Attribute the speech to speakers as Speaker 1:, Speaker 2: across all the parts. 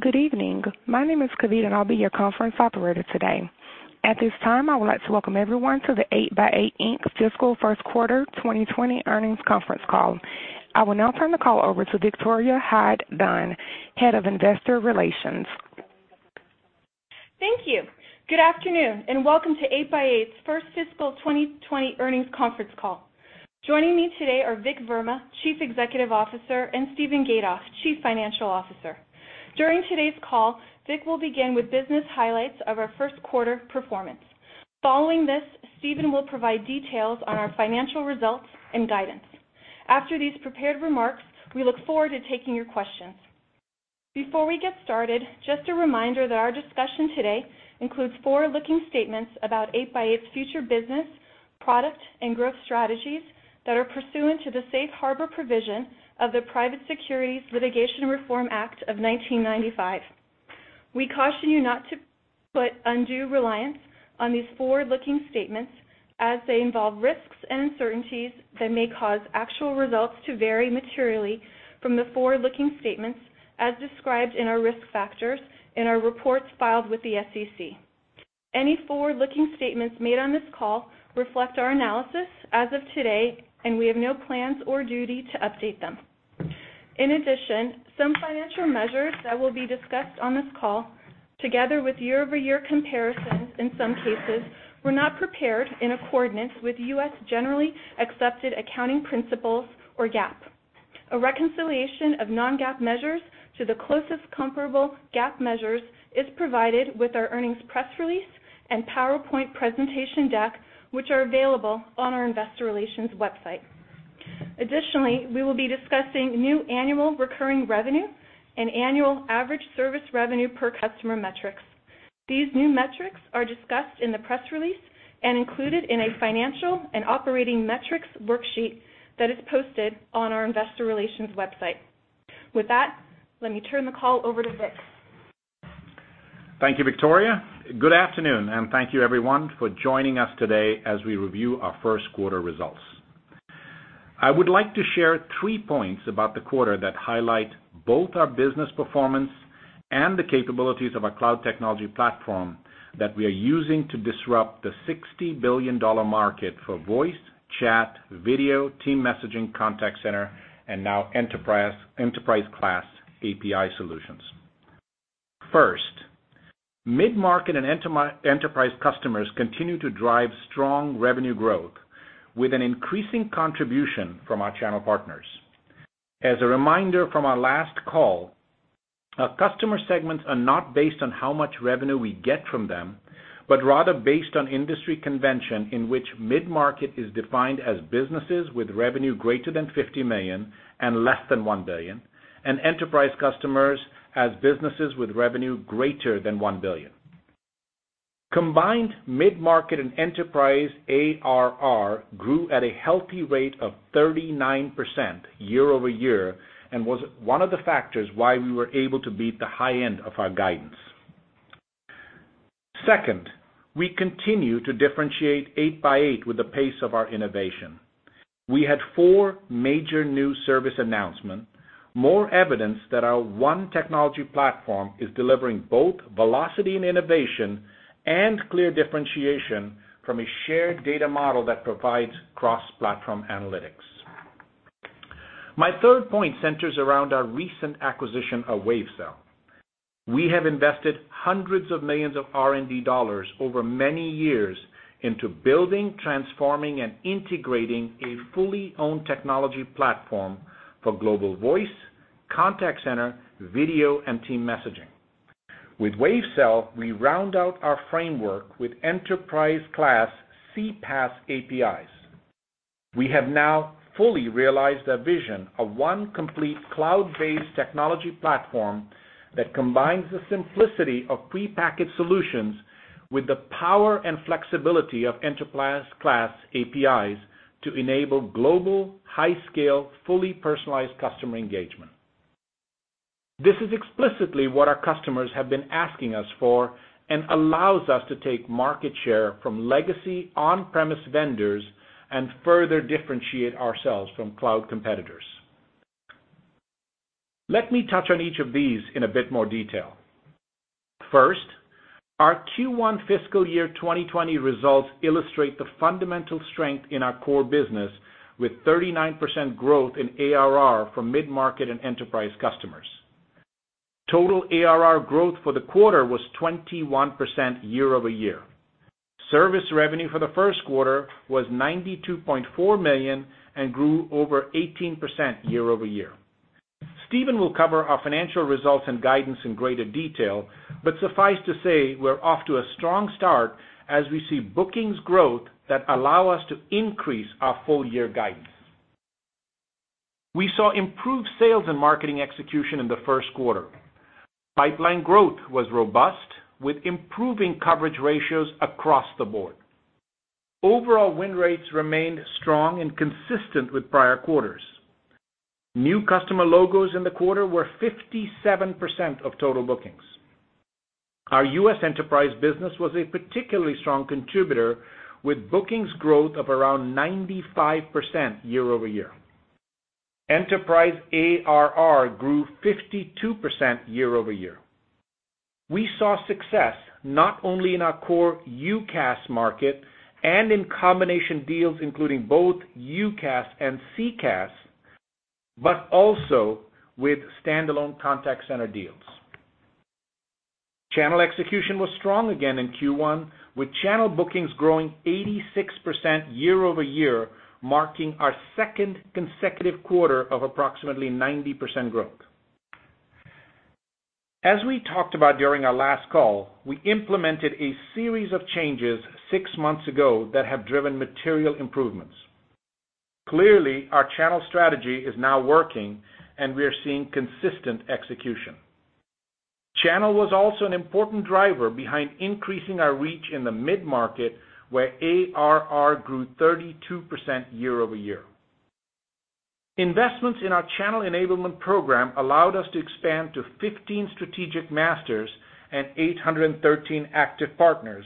Speaker 1: Good evening. My name is Cavita, and I'll be your conference operator today. At this time, I would like to welcome everyone to the 8x8 Inc. Fiscal First Quarter 2020 Earnings Conference Call. I will now turn the call over to Victoria Hyde-Dunn, Head of Investor Relations.
Speaker 2: Thank you. Good afternoon, and welcome to 8x8's first fiscal 2020 earnings conference call. Joining me today are Vik Verma, Chief Executive Officer, and Steven Gatoff, Chief Financial Officer. During today's call, Vik will begin with business highlights of our first quarter performance. Following this, Steven will provide details on our financial results and guidance. After these prepared remarks, we look forward to taking your questions. Before we get started, just a reminder that our discussion today includes forward-looking statements about 8x8's future business, product, and growth strategies that are pursuant to the safe harbor provision of the Private Securities Litigation Reform Act of 1995. We caution you not to put undue reliance on these forward-looking statements as they involve risks and uncertainties that may cause actual results to vary materially from the forward-looking statements, as described in our risk factors in our reports filed with the SEC. Any forward-looking statements made on this call reflect our analysis as of today, and we have no plans or duty to update them. In addition, some financial measures that will be discussed on this call, together with year-over-year comparisons in some cases, were not prepared in accordance with U.S. generally accepted accounting principles or GAAP. A reconciliation of non-GAAP measures to the closest comparable GAAP measures is provided with our earnings press release and PowerPoint presentation deck, which are available on our investor relations website. Additionally, we will be discussing new annual recurring revenue and annual average service revenue per customer metrics. These new metrics are discussed in the press release and included in a financial and operating metrics worksheet that is posted on our investor relations website. With that, let me turn the call over to Vik.
Speaker 3: Thank you, Victoria. Good afternoon, and thank you everyone for joining us today as we review our first quarter results. I would like to share three points about the quarter that highlight both our business performance and the capabilities of our cloud technology platform that we are using to disrupt the $60 billion market for voice, chat, video, team messaging, contact center, and now enterprise-class API solutions. First, mid-market and enterprise customers continue to drive strong revenue growth with an increasing contribution from our channel partners. As a reminder from our last call, our customer segments are not based on how much revenue we get from them, but rather based on industry convention in which mid-market is defined as businesses with revenue greater than $50 million and less than $1 billion, and enterprise customers as businesses with revenue greater than $1 billion. Combined mid-market and enterprise ARR grew at a healthy rate of 39% year-over-year and was one of the factors why we were able to beat the high end of our guidance. We continue to differentiate 8x8 with the pace of our innovation. We had four major new service announcements, more evidence that our one technology platform is delivering both velocity and innovation and clear differentiation from a shared data model that provides cross-platform analytics. My third point centers around our recent acquisition of Wavecell. We have invested hundreds of millions of R&D dollars over many years into building, transforming, and integrating a fully owned technology platform for global voice, contact center, video, and team messaging. With Wavecell, we round out our framework with enterprise class CPaaS APIs. We have now fully realized our vision of one complete cloud-based technology platform that combines the simplicity of prepackaged solutions with the power and flexibility of enterprise-class APIs to enable global, high-scale, fully personalized customer engagement. This is explicitly what our customers have been asking us for and allows us to take market share from legacy on-premise vendors and further differentiate ourselves from cloud competitors. Let me touch on each of these in a bit more detail. First, our Q1 fiscal year 2020 results illustrate the fundamental strength in our core business, with 39% growth in ARR for mid-market and enterprise customers. Total ARR growth for the quarter was 21% year-over-year. Service revenue for the first quarter was $92.4 million and grew over 18% year-over-year. Steven will cover our financial results and guidance in greater detail, but suffice to say, we're off to a strong start as we see bookings growth that allow us to increase our full year guidance. We saw improved sales and marketing execution in the first quarter. Pipeline growth was robust, with improving coverage ratios across the board. Overall win rates remained strong and consistent with prior quarters. New customer logos in the quarter were 57% of total bookings. Our U.S. enterprise business was a particularly strong contributor with bookings growth of around 95% year-over-year. Enterprise ARR grew 52% year-over-year. We saw success not only in our core UCaaS market and in combination deals, including both UCaaS and CCaaS, but also with standalone contact center deals. Channel execution was strong again in Q1, with channel bookings growing 86% year-over-year, marking our second consecutive quarter of approximately 90% growth. As we talked about during our last call, we implemented a series of changes six months ago that have driven material improvements. Clearly, our channel strategy is now working, and we are seeing consistent execution. Channel was also an important driver behind increasing our reach in the mid-market, where ARR grew 32% year-over-year. Investments in our channel enablement program allowed us to expand to 15 strategic masters and 813 active partners,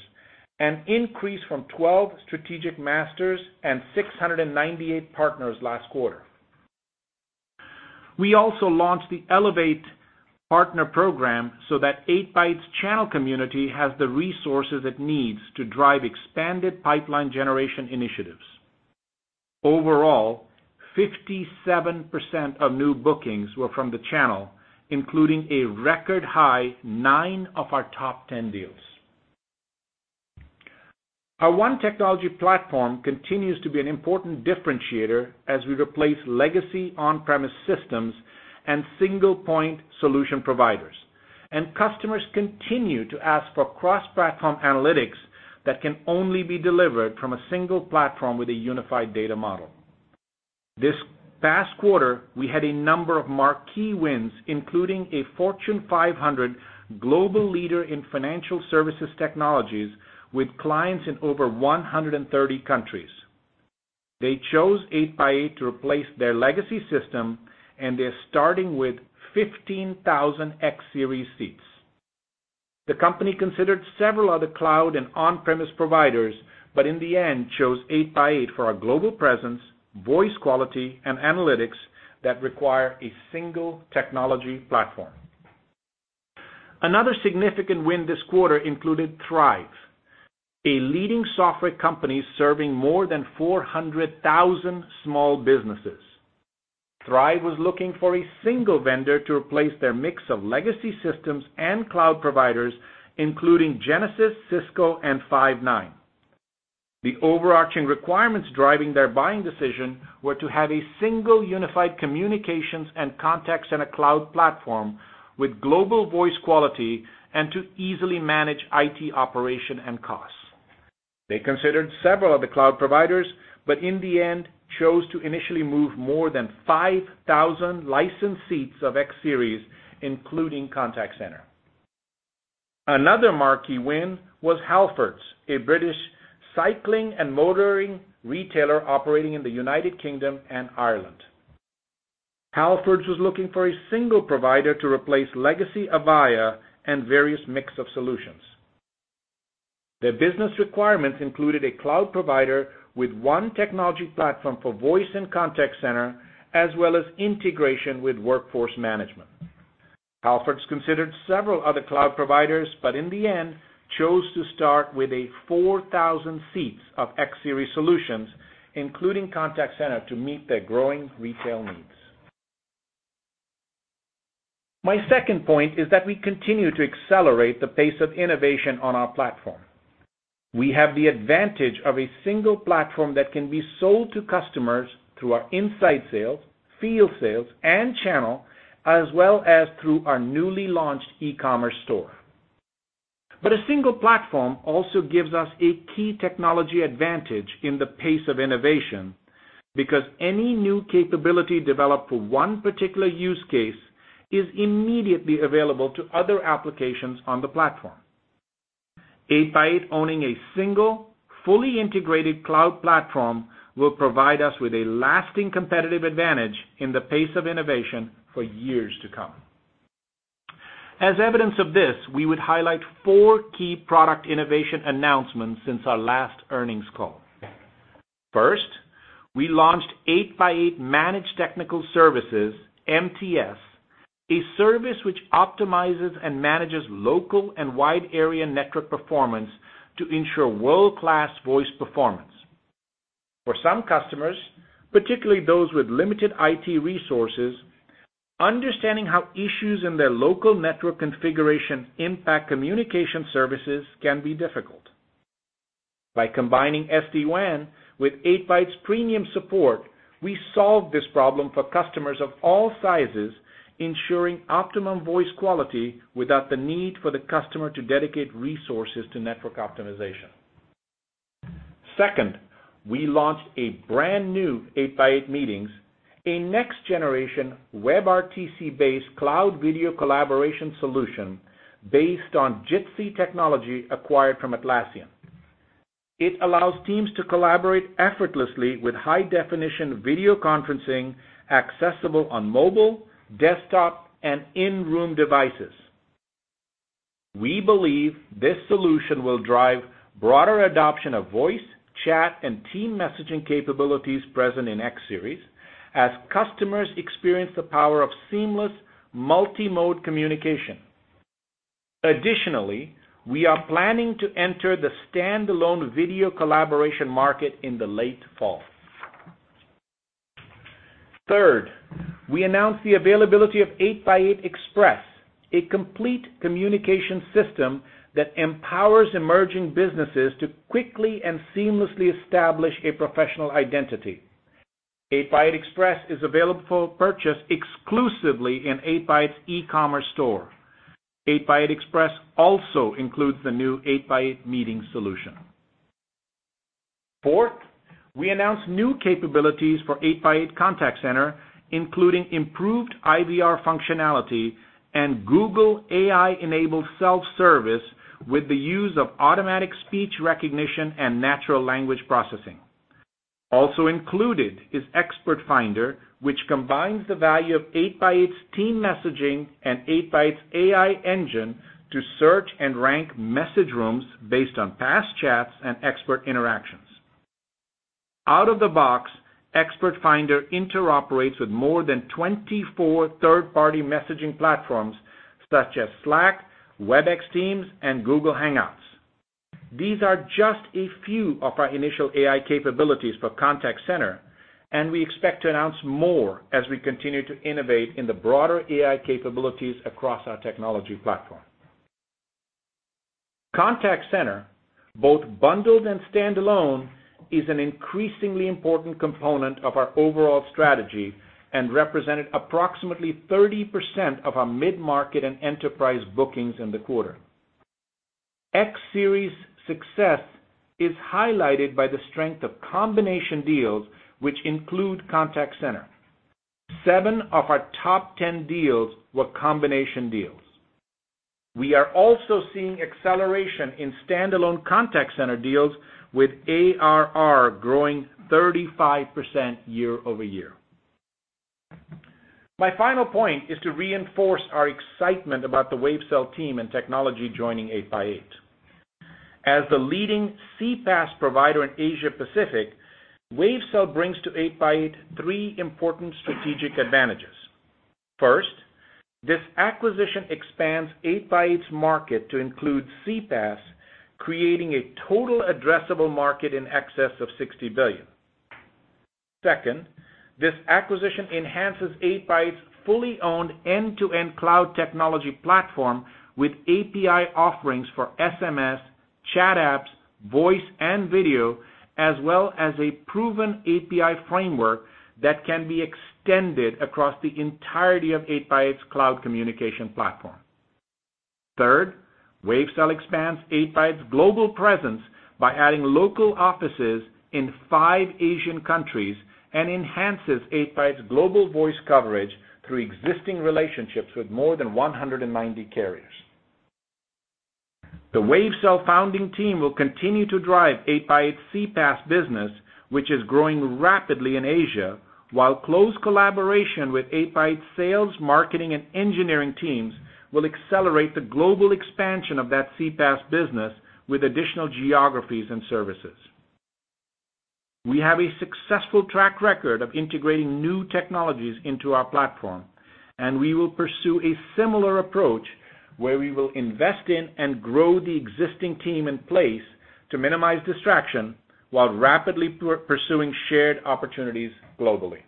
Speaker 3: an increase from 12 strategic masters and 698 partners last quarter. We also launched the Elevate Partner Program so that 8x8's channel community has the resources it needs to drive expanded pipeline generation initiatives. Overall, 57% of new bookings were from the channel, including a record high nine of our top 10 deals. Our one technology platform continues to be an important differentiator as we replace legacy on-premise systems and single-point solution providers, and customers continue to ask for cross-platform analytics that can only be delivered from a single platform with a unified data model. This past quarter, we had a number of marquee wins, including a Fortune 500 global leader in financial services technologies with clients in over 130 countries. They chose 8x8 to replace their legacy system, and they're starting with 15,000 X Series seats. The company considered several other cloud and on-premise providers, but in the end, chose 8x8 for our global presence, voice quality, and analytics that require a single technology platform. Another significant win this quarter included Thryv, a leading software company serving more than 400,000 small businesses. Thryv was looking for a single vendor to replace their mix of legacy systems and cloud providers, including Genesys, Cisco, and Five9. The overarching requirements driving their buying decision were to have a single unified communications and contact center cloud platform with global voice quality and to easily manage IT operation and costs. They considered several other cloud providers, in the end, chose to initially move more than 5,000 licensed seats of X Series, including contact center. Another marquee win was Halfords, a British cycling and motoring retailer operating in the United Kingdom and Ireland. Halfords was looking for a single provider to replace legacy Avaya and various mix of solutions. Their business requirements included a cloud provider with one technology platform for voice and contact center, as well as integration with workforce management. Halfords considered several other cloud providers, but in the end, chose to start with a 4,000 seats of X Series solutions, including Contact Center to meet their growing retail needs. My second point is that we continue to accelerate the pace of innovation on our platform. We have the advantage of a single platform that can be sold to customers through our inside sales, field sales, and channel, as well as through our newly launched e-commerce store. A single platform also gives us a key technology advantage in the pace of innovation because any new capability developed for one particular use case is immediately available to other applications on the platform. 8x8 owning a single, fully integrated cloud platform will provide us with a lasting competitive advantage in the pace of innovation for years to come. As evidence of this, we would highlight four key product innovation announcements since our last earnings call. First, we launched 8x8 Managed Technical Services, MTS, a service which optimizes and manages local and wide area network performance to ensure world-class voice performance. For some customers, particularly those with limited IT resources, understanding how issues in their local network configuration impact communication services can be difficult. By combining SD-WAN with 8x8's premium support, we solve this problem for customers of all sizes, ensuring optimum voice quality without the need for the customer to dedicate resources to network optimization. Second, we launched a brand-new 8x8 Meetings, a next-generation WebRTC-based cloud video collaboration solution based on Jitsi technology acquired from Atlassian. It allows teams to collaborate effortlessly with high-definition video conferencing accessible on mobile, desktop, and in-room devices. We believe this solution will drive broader adoption of voice, chat, and team messaging capabilities present in X Series as customers experience the power of seamless multi-mode communication. Additionally, we are planning to enter the standalone video collaboration market in the late fall. Third, we announced the availability of 8x8 Express, a complete communication system that empowers emerging businesses to quickly and seamlessly establish a professional identity. 8x8 Express is available for purchase exclusively in 8x8's e-commerce store. 8x8 Express also includes the new 8x8 Meeting solution. Fourth, we announced new capabilities for 8x8 Contact Center, including improved IVR functionality and Google AI-enabled self-service with the use of automatic speech recognition and natural language processing. Also included is Expert Finder, which combines the value of 8x8's team messaging and 8x8's AI engine to search and rank message rooms based on past chats and expert interactions. Out of the box, Expert Finder interoperates with more than 24 third-party messaging platforms such as Slack, Webex Teams, and Google Hangouts. These are just a few of our initial AI capabilities for Contact Center, and we expect to announce more as we continue to innovate in the broader AI capabilities across our technology platform. Contact Center, both bundled and standalone, is an increasingly important component of our overall strategy and represented approximately 30% of our mid-market and enterprise bookings in the quarter. X Series success is highlighted by the strength of combination deals, which include Contact Center. Seven of our top 10 deals were combination deals. We are also seeing acceleration in standalone Contact Center deals with ARR growing 35% year-over-year. My final point is to reinforce our excitement about the Wavecell team and technology joining 8x8. As the leading CPaaS provider in Asia Pacific, Wavecell brings to 8x8 three important strategic advantages. First, this acquisition expands 8x8's market to include CPaaS, creating a total addressable market in excess of $60 billion. Second, this acquisition enhances 8x8's fully owned end-to-end cloud technology platform with API offerings for SMS, chat apps, voice and video, as well as a proven API framework that can be extended across the entirety of 8x8's cloud communication platform. Third, Wavecell expands 8x8's global presence by adding local offices in five Asian countries and enhances 8x8's global voice coverage through existing relationships with more than 190 carriers. The Wavecell founding team will continue to drive 8x8's CPaaS business, which is growing rapidly in Asia, while close collaboration with 8x8 sales, marketing, and engineering teams will accelerate the global expansion of that CPaaS business with additional geographies and services. We have a successful track record of integrating new technologies into our platform, and we will pursue a similar approach where we will invest in and grow the existing team in place to minimize distraction while rapidly pursuing shared opportunities globally.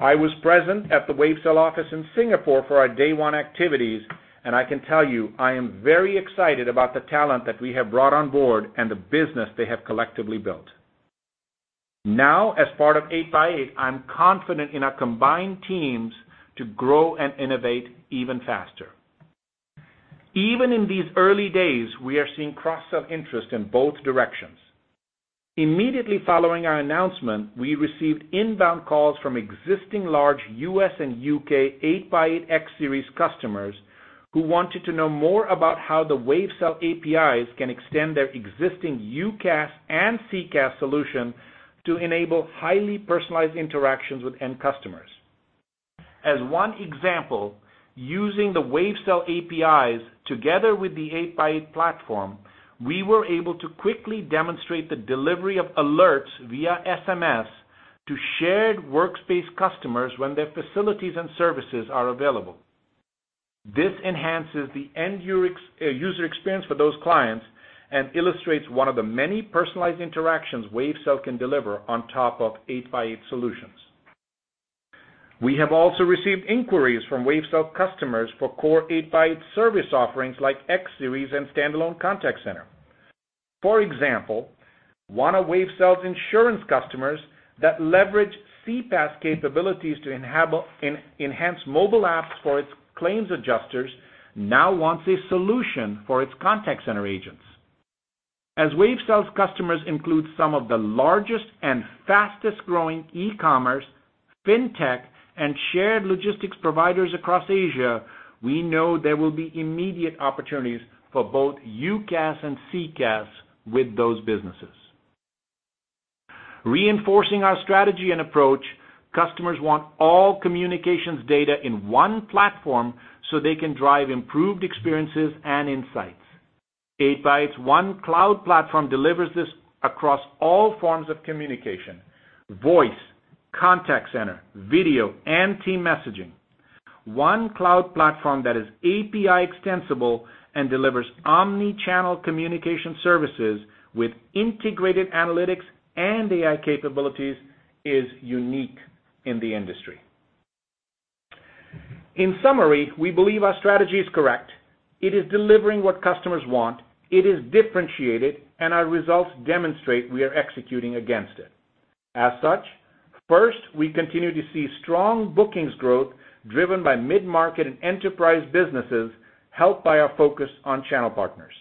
Speaker 3: I was present at the Wavecell office in Singapore for our day one activities, and I can tell you, I am very excited about the talent that we have brought on board and the business they have collectively built. Now, as part of 8x8, I'm confident in our combined teams to grow and innovate even faster. Even in these early days, we are seeing cross-sell interest in both directions. Immediately following our announcement, we received inbound calls from existing large U.S. and U.K. 8x8 X Series customers who wanted to know more about how the Wavecell APIs can extend their existing UCaaS and CCaaS solution to enable highly personalized interactions with end customers. As one example, using the Wavecell APIs together with the 8x8 platform, we were able to quickly demonstrate the delivery of alerts via SMS to shared workspace customers when their facilities and services are available. This enhances the end user experience for those clients and illustrates one of the many personalized interactions Wavecell can deliver on top of 8x8 solutions. We have also received inquiries from Wavecell customers for core 8x8 service offerings like X Series and standalone Contact Center. For example, one of Wavecell's insurance customers that leverage CPaaS capabilities to enhance mobile apps for its claims adjusters now wants a solution for its contact center agents. As Wavecell's customers include some of the largest and fastest-growing e-commerce, FinTech and shared logistics providers across Asia, we know there will be immediate opportunities for both UCaaS and CCaaS with those businesses. Reinforcing our strategy and approach, customers want all communications data in one platform so they can drive improved experiences and insights. 8x8's One Cloud Platform delivers this across all forms of communication, voice, contact center, video, and team messaging. One cloud platform that is API extensible and delivers omni-channel communication services with integrated analytics and AI capabilities is unique in the industry. In summary, we believe our strategy is correct. It is delivering what customers want, it is differentiated, and our results demonstrate we are executing against it. First, we continue to see strong bookings growth driven by mid-market and enterprise businesses, helped by our focus on channel partners.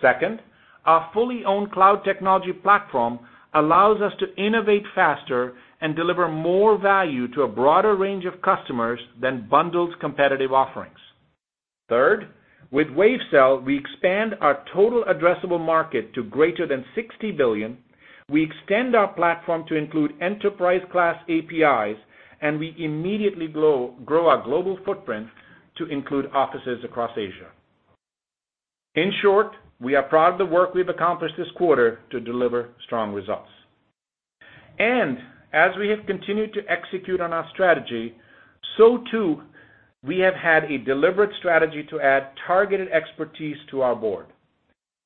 Speaker 3: Second, our fully owned cloud technology platform allows us to innovate faster and deliver more value to a broader range of customers than bundled competitive offerings. Third, with Wavecell, we expand our total addressable market to greater than $60 billion, we extend our platform to include enterprise-class APIs, and we immediately grow our global footprint to include offices across Asia. In short, we are proud of the work we've accomplished this quarter to deliver strong results. As we have continued to execute on our strategy, so too we have had a deliberate strategy to add targeted expertise to our board.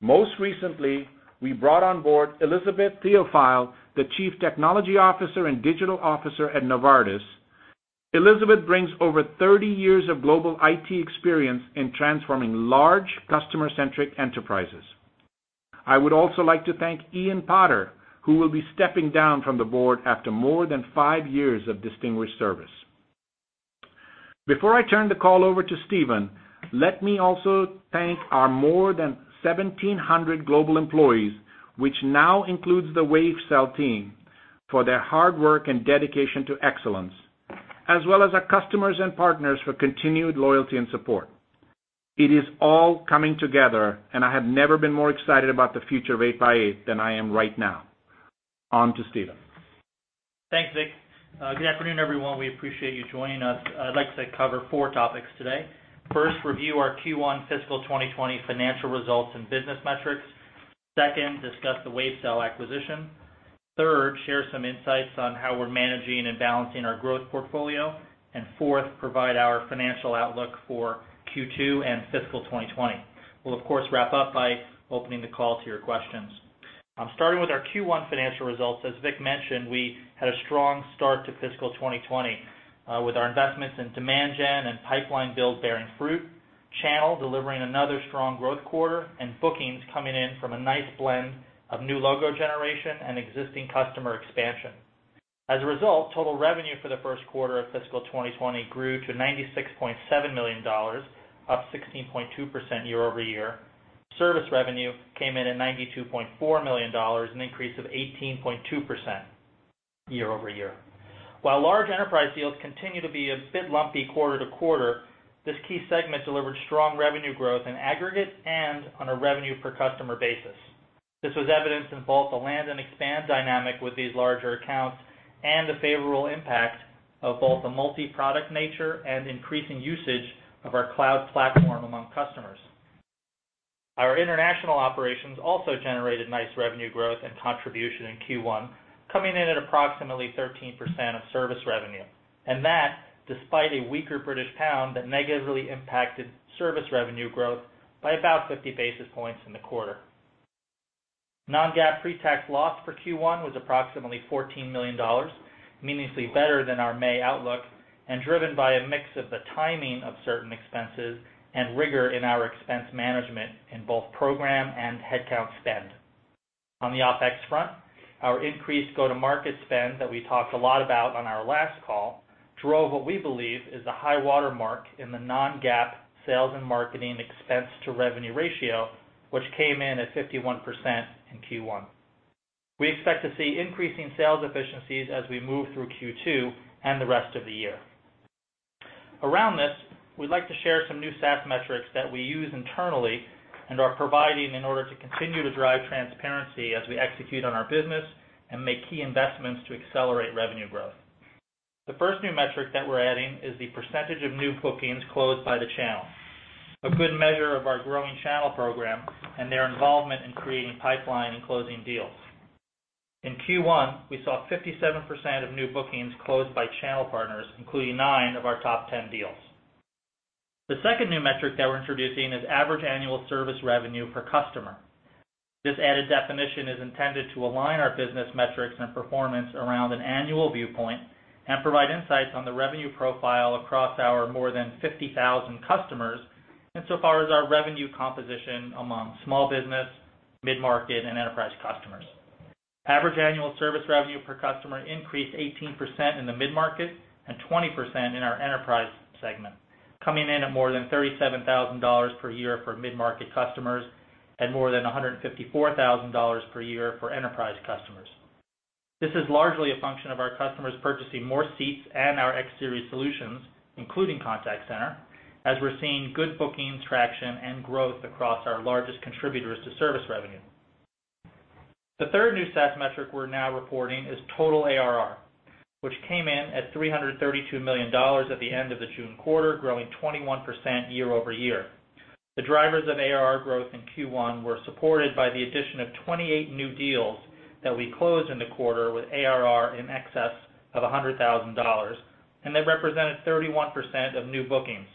Speaker 3: Most recently, we brought on board Elizabeth Theophille, the Chief Technology Officer and Digital Officer at Novartis. Elizabeth brings over 30 years of global IT experience in transforming large customer-centric enterprises. I would also like to thank Ian Potter, who will be stepping down from the board after more than five years of distinguished service. Before I turn the call over to Steven, let me also thank our more than 1,700 global employees, which now includes the Wavecell team, for their hard work and dedication to excellence, as well as our customers and partners for continued loyalty and support. It is all coming together, and I have never been more excited about the future of 8x8 than I am right now. On to Steven.
Speaker 4: Thanks, Vik. Good afternoon, everyone. We appreciate you joining us. I'd like to cover four topics today. First, review our Q1 fiscal 2020 financial results and business metrics. Second, discuss the Wavecell acquisition. Third, share some insights on how we're managing and balancing our growth portfolio. Fourth, provide our financial outlook for Q2 and fiscal 2020. We'll of course, wrap up by opening the call to your questions. Starting with our Q1 financial results, as Vik mentioned, we had a strong start to fiscal 2020, with our investments in demand gen and pipeline build bearing fruit, channel delivering another strong growth quarter, and bookings coming in from a nice blend of new logo generation and existing customer expansion. As a result, total revenue for the first quarter of fiscal 2020 grew to $96.7 million, up 16.2% year-over-year. Service revenue came in at $92.4 million, an increase of 18.2% year-over-year. While large enterprise deals continue to be a bit lumpy quarter-to-quarter, this key segment delivered strong revenue growth in aggregate and on a revenue per customer basis. This was evidenced in both the land and expand dynamic with these larger accounts and the favorable impact of both the multi-product nature and increasing usage of our cloud platform among customers. Our international operations also generated nice revenue growth and contribution in Q1, coming in at approximately 13% of service revenue. That, despite a weaker British pound that negatively impacted service revenue growth by about 50 basis points in the quarter. Non-GAAP pre-tax loss for Q1 was approximately $14 million, meaningfully better than our May outlook, driven by a mix of the timing of certain expenses and rigor in our expense management in both program and headcount spend. On the OpEx front, our increased go-to-market spend that we talked a lot about on our last call drove what we believe is the high water mark in the non-GAAP sales and marketing expense to revenue ratio, which came in at 51% in Q1. We expect to see increasing sales efficiencies as we move through Q2 and the rest of the year. Around this, we'd like to share some new SaaS metrics that we use internally and are providing in order to continue to drive transparency as we execute on our business and make key investments to accelerate revenue growth. The first new metric that we're adding is the percentage of new bookings closed by the channel, a good measure of our growing channel program and their involvement in creating pipeline and closing deals. In Q1, we saw 57% of new bookings closed by channel partners, including nine of our top 10 deals. The second new metric that we're introducing is average annual service revenue per customer. This added definition is intended to align our business metrics and performance around an annual viewpoint and provide insights on the revenue profile across our more than 50,000 customers insofar as our revenue composition among small business, mid-market, and enterprise customers. Average annual service revenue per customer increased 18% in the mid-market and 20% in our enterprise segment. Coming in at more than $37,000 per year for mid-market customers and more than $154,000 per year for enterprise customers. This is largely a function of our customers purchasing more seats and our X Series solutions, including Contact Center, as we're seeing good bookings, traction, and growth across our largest contributors to service revenue. The third new SaaS metric we're now reporting is total ARR, which came in at $332 million at the end of the June quarter, growing 21% year-over-year. The drivers of ARR growth in Q1 were supported by the addition of 28 new deals that we closed in the quarter with ARR in excess of $100,000, and they represented 31% of new bookings,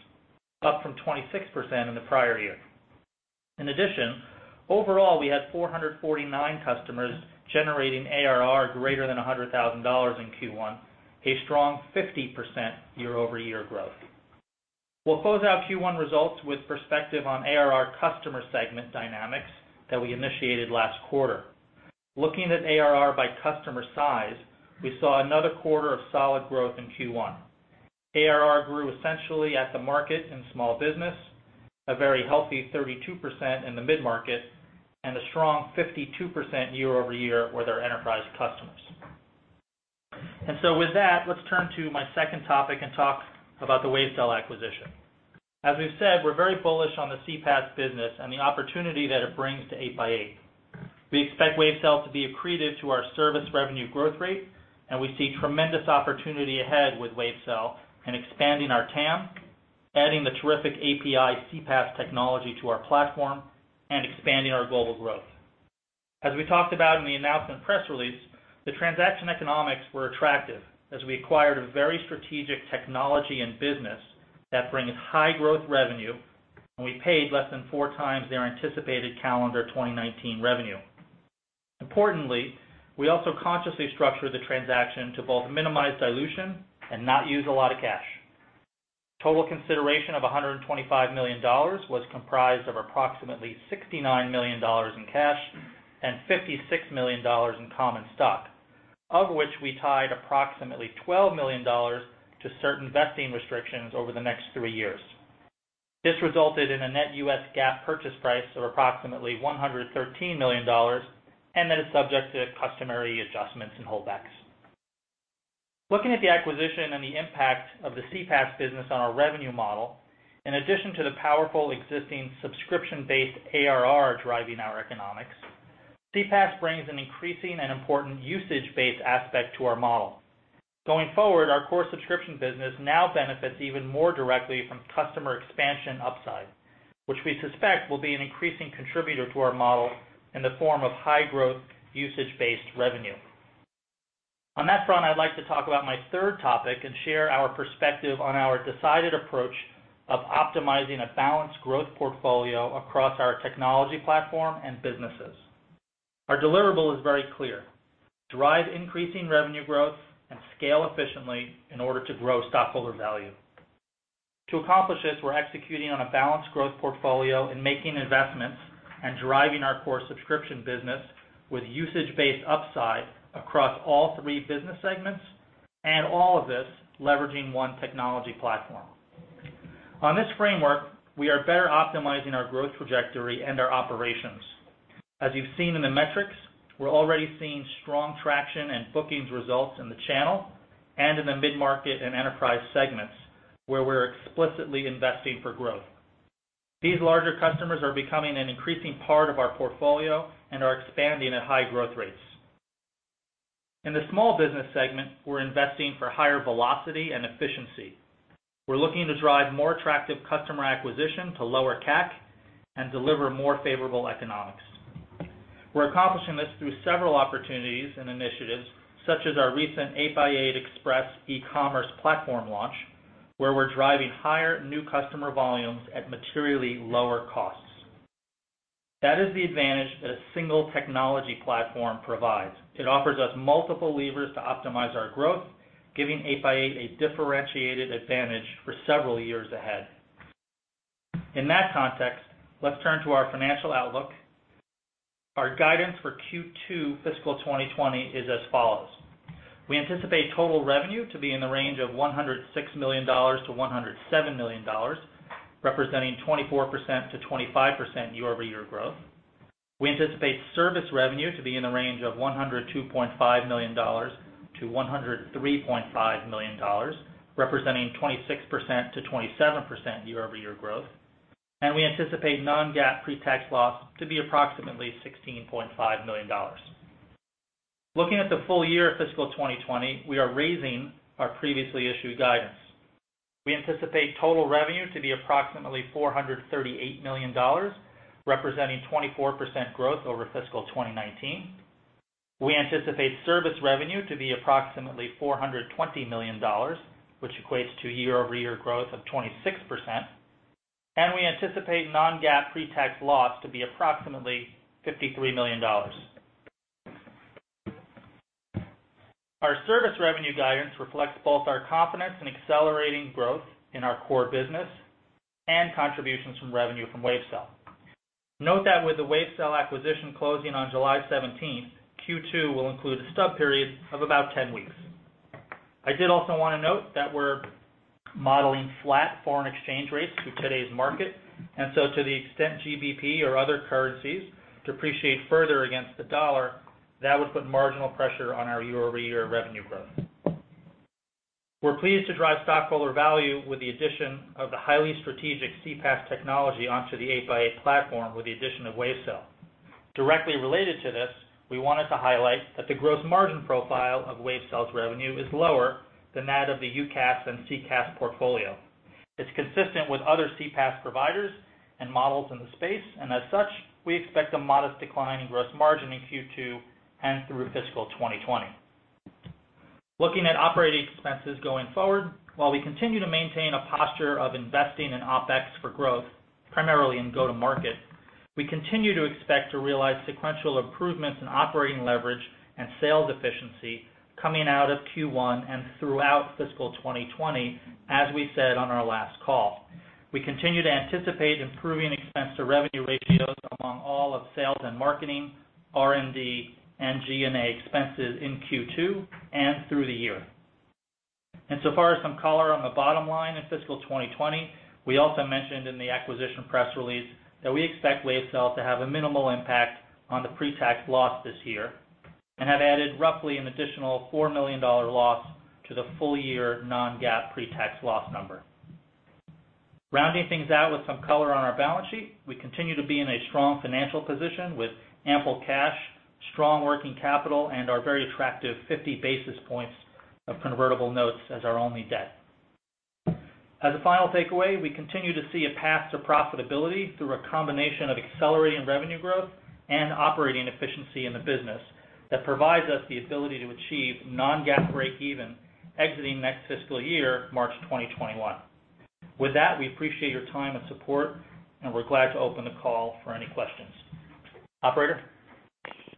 Speaker 4: up from 26% in the prior year. In addition, overall, we had 449 customers generating ARR greater than $100,000 in Q1, a strong 50% year-over-year growth. We'll close out Q1 results with perspective on ARR customer segment dynamics that we initiated last quarter. Looking at ARR by customer size, we saw another quarter of solid growth in Q1. ARR grew essentially at the market in small business, a very healthy 32% in the mid-market, and a strong 52% year-over-year with our enterprise customers. With that, let's turn to my second topic and talk about the Wavecell acquisition. As we've said, we're very bullish on the CPaaS business and the opportunity that it brings to 8x8. We expect Wavecell to be accretive to our service revenue growth rate, and we see tremendous opportunity ahead with Wavecell in expanding our TAM, adding the terrific API CPaaS technology to our platform, and expanding our global growth. As we talked about in the announcement press release, the transaction economics were attractive as we acquired a very strategic technology and business that brings high growth revenue, and we paid less than four times their anticipated calendar 2019 revenue. Importantly, we also consciously structured the transaction to both minimize dilution and not use a lot of cash. Total consideration of $125 million was comprised of approximately $69 million in cash and $56 million in common stock, of which we tied approximately $12 million to certain vesting restrictions over the next three years. This resulted in a net U.S. GAAP purchase price of approximately $113 million, and that is subject to customary adjustments and holdbacks. Looking at the acquisition and the impact of the CPaaS business on our revenue model, in addition to the powerful existing subscription-based ARR driving our economics, CPaaS brings an increasing and important usage-based aspect to our model. Going forward, our core subscription business now benefits even more directly from customer expansion upside, which we suspect will be an increasing contributor to our model in the form of high growth usage-based revenue. On that front, I'd like to talk about my third topic and share our perspective on our decided approach of optimizing a balanced growth portfolio across our technology platform and businesses. Our deliverable is very clear. Drive increasing revenue growth and scale efficiently in order to grow stockholder value. To accomplish this, we're executing on a balanced growth portfolio and making investments and driving our core subscription business with usage-based upside across all three business segments, and all of this leveraging one technology platform. On this framework, we are better optimizing our growth trajectory and our operations. As you've seen in the metrics, we're already seeing strong traction and bookings results in the channel and in the mid-market and enterprise segments, where we're explicitly investing for growth. These larger customers are becoming an increasing part of our portfolio and are expanding at high growth rates. In the small business segment, we're investing for higher velocity and efficiency. We're looking to drive more attractive customer acquisition to lower CAC and deliver more favorable economics. We're accomplishing this through several opportunities and initiatives, such as our recent 8x8 Express e-commerce platform launch, where we're driving higher new customer volumes at materially lower costs. That is the advantage that a single technology platform provides. It offers us multiple levers to optimize our growth, giving 8x8 a differentiated advantage for several years ahead. In that context, let's turn to our financial outlook. Our guidance for Q2 fiscal 2020 is as follows. We anticipate total revenue to be in the range of $106 million-$107 million, representing 24%-25% year-over-year growth. We anticipate service revenue to be in the range of $102.5 million-$103.5 million, representing 26%-27% year-over-year growth. We anticipate non-GAAP pre-tax loss to be approximately $16.5 million. Looking at the full year fiscal 2020, we are raising our previously issued guidance. We anticipate total revenue to be approximately $438 million, representing 24% growth over fiscal 2019. We anticipate service revenue to be approximately $420 million, which equates to year-over-year growth of 26%, and we anticipate non-GAAP pre-tax loss to be approximately $53 million. Our service revenue guidance reflects both our confidence in accelerating growth in our core business and contributions from revenue from Wavecell. Note that with the Wavecell acquisition closing on July 17th, Q2 will include a stub period of about 10 weeks. I did also want to note that we're modeling flat foreign exchange rates through today's market. To the extent GBP or other currencies depreciate further against the dollar, that would put marginal pressure on our year-over-year revenue growth. We're pleased to drive stockholder value with the addition of the highly strategic CPaaS technology onto the 8x8 platform with the addition of Wavecell. Directly related to this, we wanted to highlight that the gross margin profile of Wavecell's revenue is lower than that of the UCaaS and CCaaS portfolio. It's consistent with other CPaaS providers and models in the space. As such, we expect a modest decline in gross margin in Q2 and through fiscal 2020. Looking at operating expenses going forward, while we continue to maintain a posture of investing in OpEx for growth, primarily in go-to-market, we continue to expect to realize sequential improvements in operating leverage and sales efficiency coming out of Q1 and throughout fiscal 2020, as we said on our last call. We continue to anticipate improving expense-to-revenue ratios among all of sales and marketing, R&D, and G&A expenses in Q2 and through the year. So far, some color on the bottom line in fiscal 2020. We also mentioned in the acquisition press release that we expect Wavecell to have a minimal impact on the pre-tax loss this year and have added roughly an additional $4 million loss to the full-year non-GAAP pre-tax loss number. Rounding things out with some color on our balance sheet, we continue to be in a strong financial position with ample cash, strong working capital, and our very attractive 50 basis points of convertible notes as our only debt. As a final takeaway, we continue to see a path to profitability through a combination of accelerating revenue growth and operating efficiency in the business that provides us the ability to achieve non-GAAP breakeven exiting next fiscal year, March 2021. With that, we appreciate your time and support, and we're glad to open the call for any questions. Operator?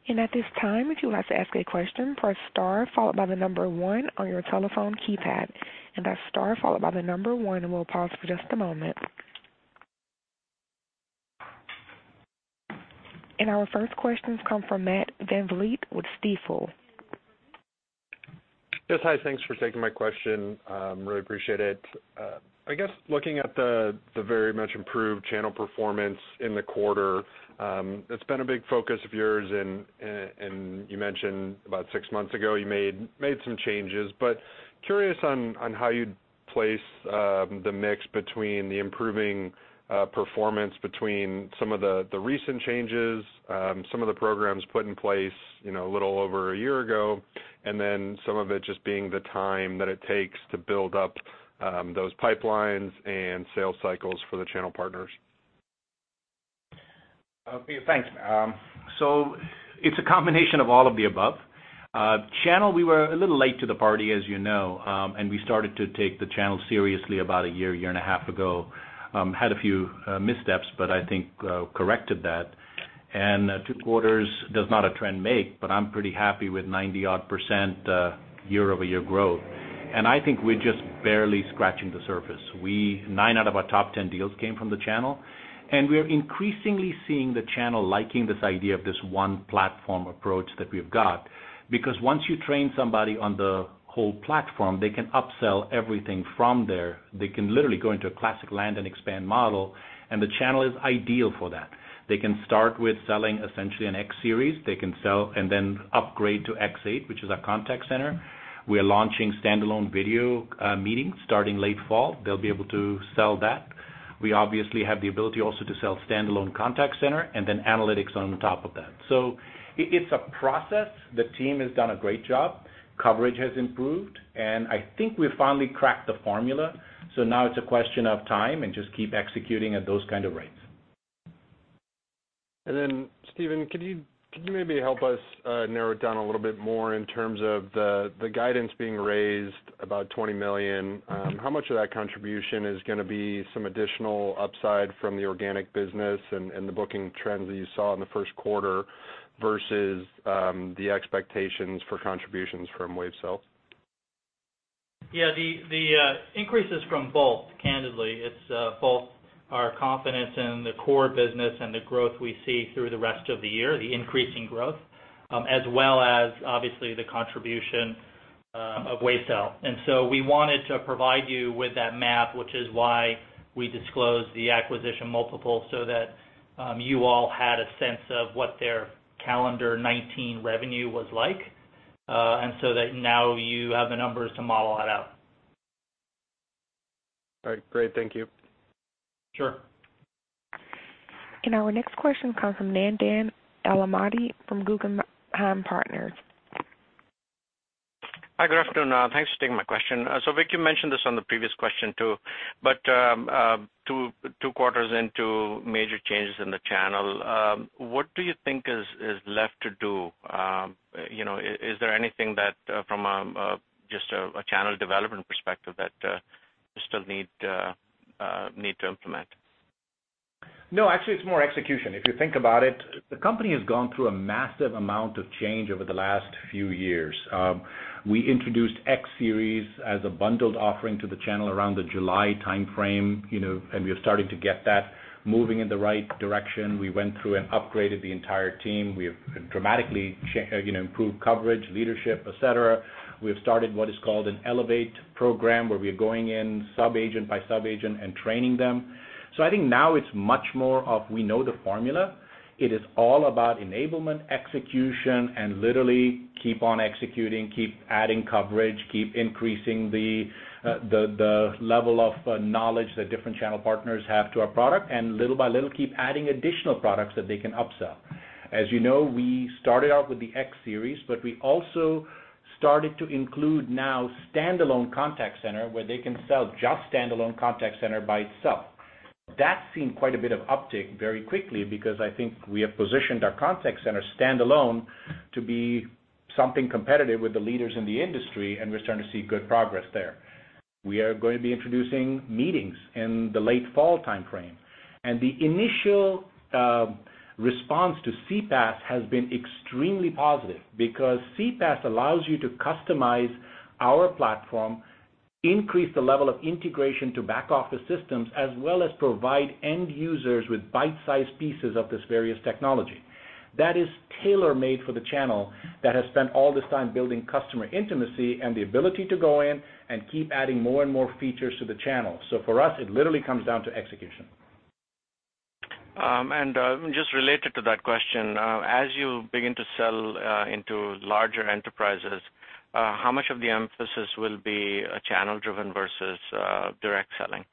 Speaker 1: At this time, if you would like to ask a question, press star followed by the number 1 on your telephone keypad. That's star followed by the number 1, and we'll pause for just a moment. Our first question comes from Matt VanVliet with Stifel.
Speaker 5: Yes, hi, thanks for taking my question. Really appreciate it. I guess looking at the very much improved channel performance in the quarter, it's been a big focus of yours, and you mentioned about six months ago you made some changes, but curious on how you'd place the mix between the improving performance between some of the recent changes, some of the programs put in place a little over a year ago, and then some of it just being the time that it takes to build up those pipelines and sales cycles for the channel partners.
Speaker 3: Thanks. It's a combination of all of the above. Channel, we were a little late to the party, as you know, and we started to take the channel seriously about a year and a half ago. Had a few missteps, but I think corrected that. Two quarters does not a trend make, but I'm pretty happy with 90-odd% year-over-year growth. I think we're just barely scratching the surface. Nine out of our top 10 deals came from the channel, and we're increasingly seeing the channel liking this idea of this one platform approach that we've got, because once you train somebody on the whole platform, they can upsell everything from there. They can literally go into a classic land-and-expand model, and the channel is ideal for that. They can start with selling essentially an X Series. They can sell and then upgrade to X8, which is our contact center. We are launching standalone video meetings starting late fall. They'll be able to sell that. We obviously have the ability also to sell standalone contact center and then analytics on top of that. It's a process. The team has done a great job. Coverage has improved, and I think we finally cracked the formula. Now it's a question of time and just keep executing at those kind of rates.
Speaker 5: Steven, could you maybe help us narrow it down a little bit more in terms of the guidance being raised about $20 million? How much of that contribution is going to be some additional upside from the organic business and the booking trends that you saw in the first quarter versus the expectations for contributions from Wavecell?
Speaker 4: Yeah, the increase is from both, candidly. It's both our confidence in the core business and the growth we see through the rest of the year, the increasing growth, as well as obviously the contribution of Wavecell. We wanted to provide you with that map, which is why we disclosed the acquisition multiple so that you all had a sense of what their calendar 2019 revenue was like, and so that now you have the numbers to model that out.
Speaker 5: All right, great. Thank you.
Speaker 4: Sure.
Speaker 1: Our next question comes from Nandan Amladi from Guggenheim Partners.
Speaker 6: Hi, good afternoon. Thanks for taking my question. Vik, you mentioned this on the previous question too, two quarters into major changes in the channel, what do you think is left to do? Is there anything that from just a channel development perspective that you still need to implement?
Speaker 3: No, actually it's more execution. If you think about it, the company has gone through a massive amount of change over the last few years. We introduced X Series as a bundled offering to the channel around the July timeframe. We are starting to get that moving in the right direction. We went through and upgraded the entire team. We have dramatically improved coverage, leadership, et cetera. We have started what is called an Elevate program, where we are going in sub-agent by sub-agent and training them. I think now it's much more of we know the formula. It is all about enablement, execution, and literally keep on executing, keep adding coverage, keep increasing the level of knowledge that different channel partners have to our product, and little by little, keep adding additional products that they can upsell. As you know, we started out with the X Series, but we also started to include now standalone contact center, where they can sell just standalone contact center by itself. That's seen quite a bit of uptick very quickly, because I think we have positioned our contact center standalone to be something competitive with the leaders in the industry, and we're starting to see good progress there. We are going to be introducing meetings in the late fall timeframe. The initial response to CPaaS has been extremely positive, because CPaaS allows you to customize our platform, increase the level of integration to back office systems, as well as provide end users with bite-sized pieces of this various technology. That is tailor-made for the channel that has spent all this time building customer intimacy and the ability to go in and keep adding more and more features to the channel. For us, it literally comes down to execution.
Speaker 6: Just related to that question, as you begin to sell into larger enterprises, how much of the emphasis will be channel driven versus direct selling?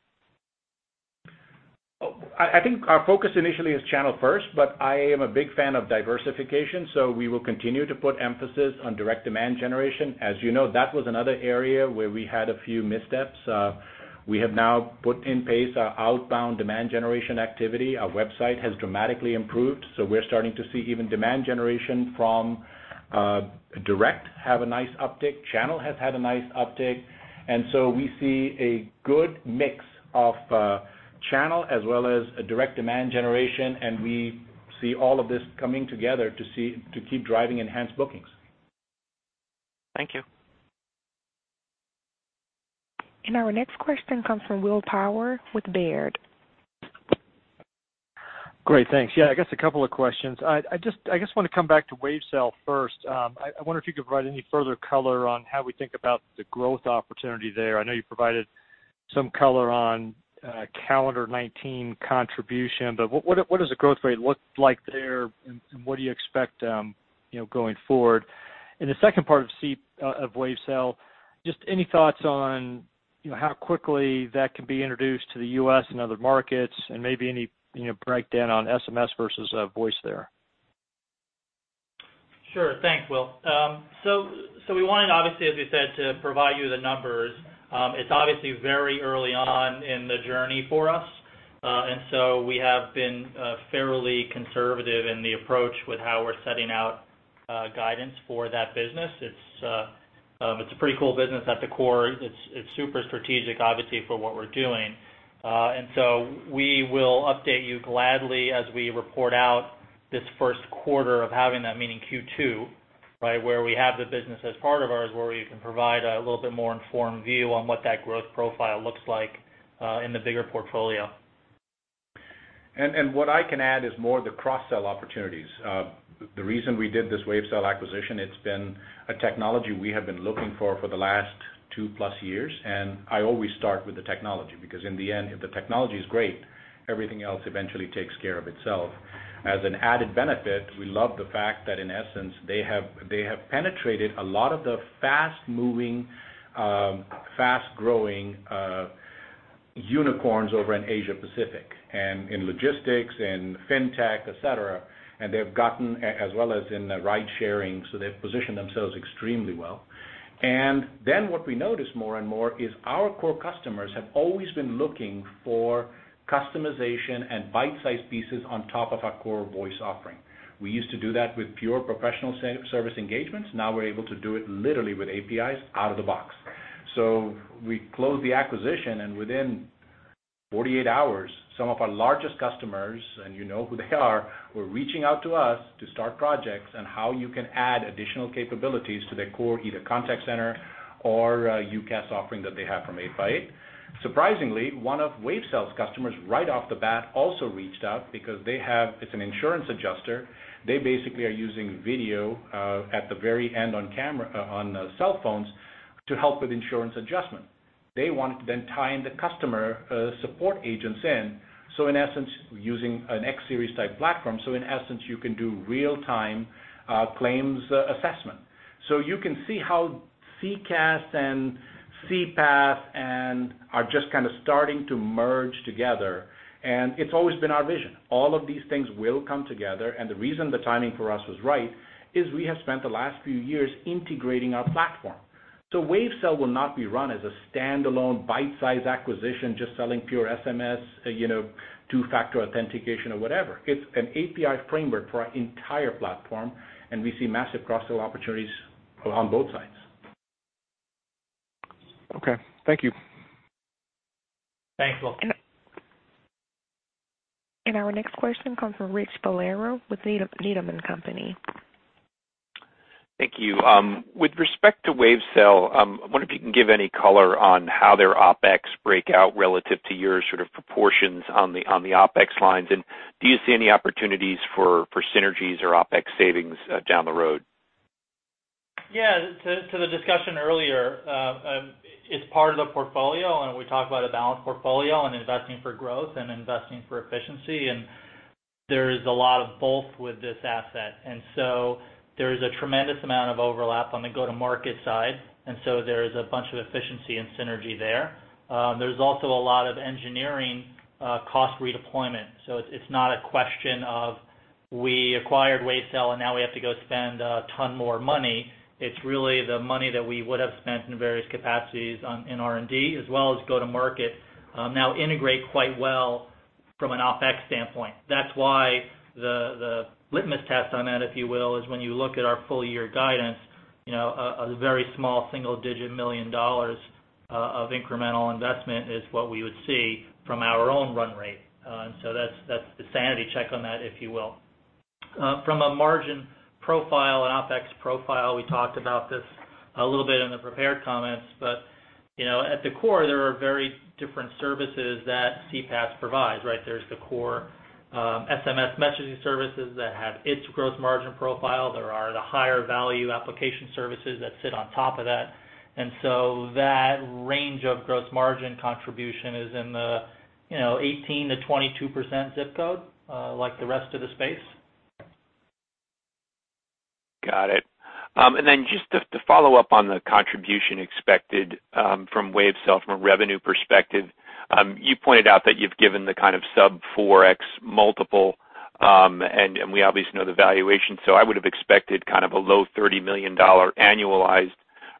Speaker 3: I think our focus initially is channel first, but I am a big fan of diversification, so we will continue to put emphasis on direct demand generation. As you know, that was another area where we had a few missteps. We have now put in place our outbound demand generation activity. Our website has dramatically improved, so we're starting to see even demand generation from direct have a nice uptick. channel has had a nice uptick. We see a good mix of channel as well as a direct demand generation, and we see all of this coming together to keep driving enhanced bookings.
Speaker 6: Thank you.
Speaker 1: Our next question comes from Will Power with Baird.
Speaker 7: Great. Thanks. I guess a couple of questions. I just want to come back to Wavecell first. I wonder if you could provide any further color on how we think about the growth opportunity there. I know you provided some color on calendar 2019 contribution. What does the growth rate look like there, and what do you expect going forward? The second part of Wavecell, just any thoughts on how quickly that can be introduced to the U.S. and other markets, and maybe any breakdown on SMS versus voice there?
Speaker 4: Sure. Thanks, Will. We wanted obviously, as we said, to provide you the numbers. It's obviously very early on in the journey for us. We have been fairly conservative in the approach with how we're setting out guidance for that business. It's a pretty cool business at the core. It's super strategic, obviously, for what we're doing. We will update you gladly as we report out this first quarter of having that, meaning Q2, where we have the business as part of ours, where we can provide a little bit more informed view on what that growth profile looks like in the bigger portfolio.
Speaker 3: What I can add is more the cross-sell opportunities. The reason we did this Wavecell acquisition, it's been a technology we have been looking for the last two plus years. I always start with the technology, because in the end, if the technology's great, everything else eventually takes care of itself. As an added benefit, we love the fact that, in essence, they have penetrated a lot of the fast-moving, fast-growing unicorns over in Asia Pacific, and in logistics and FinTech, et cetera, as well as in ride sharing. They've positioned themselves extremely well. Then what we notice more and more is our core customers have always been looking for customization and bite-sized pieces on top of our core voice offering. We used to do that with pure professional service engagements. Now we're able to do it literally with APIs out of the box. We closed the acquisition, and within 48 hours, some of our largest customers, and you know who they are, were reaching out to us to start projects on how you can add additional capabilities to their core, either contact center or UCaaS offering that they have from 8x8. Surprisingly, one of Wavecell's customers right off the bat also reached out because it's an insurance adjuster. They basically are using video at the very end on cell phones to help with insurance adjustment. They want to then tie in the customer support agents in, using an X Series type platform. In essence, you can do real-time claims assessment. You can see how CCaaS and CPaaS are just kind of starting to merge together, and it's always been our vision. All of these things will come together, and the reason the timing for us was right is we have spent the last few years integrating our platform. Wavecell will not be run as a standalone, bite-size acquisition, just selling pure SMS, two-factor authentication or whatever. It's an API framework for our entire platform, and we see massive cross-sell opportunities on both sides.
Speaker 7: Okay. Thank you.
Speaker 4: Thanks, Will.
Speaker 1: Our next question comes from Rich Valera with Needham & Company.
Speaker 8: Thank you. With respect to Wavecell, I wonder if you can give any color on how their OpEx break out relative to your proportions on the OpEx lines. Do you see any opportunities for synergies or OpEx savings down the road?
Speaker 4: Yeah. To the discussion earlier, it's part of the portfolio, and we talk about a balanced portfolio and investing for growth and investing for efficiency, and there is a lot of both with this asset. There is a tremendous amount of overlap on the go-to-market side, and so there is a bunch of efficiency and synergy there. There's also a lot of engineering cost redeployment. It's not a question of we acquired Wavecell and now we have to go spend a ton more money. It's really the money that we would have spent in various capacities on R&D as well as go to market, now integrate quite well from an OpEx standpoint. That's why the litmus test on that, if you will, is when you look at our full year guidance, a very small single-digit million dollars of incremental investment is what we would see from our own run rate. That's the sanity check on that, if you will. From a margin profile and OpEx profile, we talked about this a little bit in the prepared comments, at the core, there are very different services that CPaaS provides, right? There's the core SMS messaging services that have its gross margin profile. There are the higher value application services that sit on top of that. That range of gross margin contribution is in the 18%-22% ZIP code, like the rest of the space.
Speaker 8: Got it. Just to follow up on the contribution expected from Wavecell from a revenue perspective. You pointed out that you've given the kind of sub 4x multiple, we obviously know the valuation. I would've expected kind of a low $30 million annualized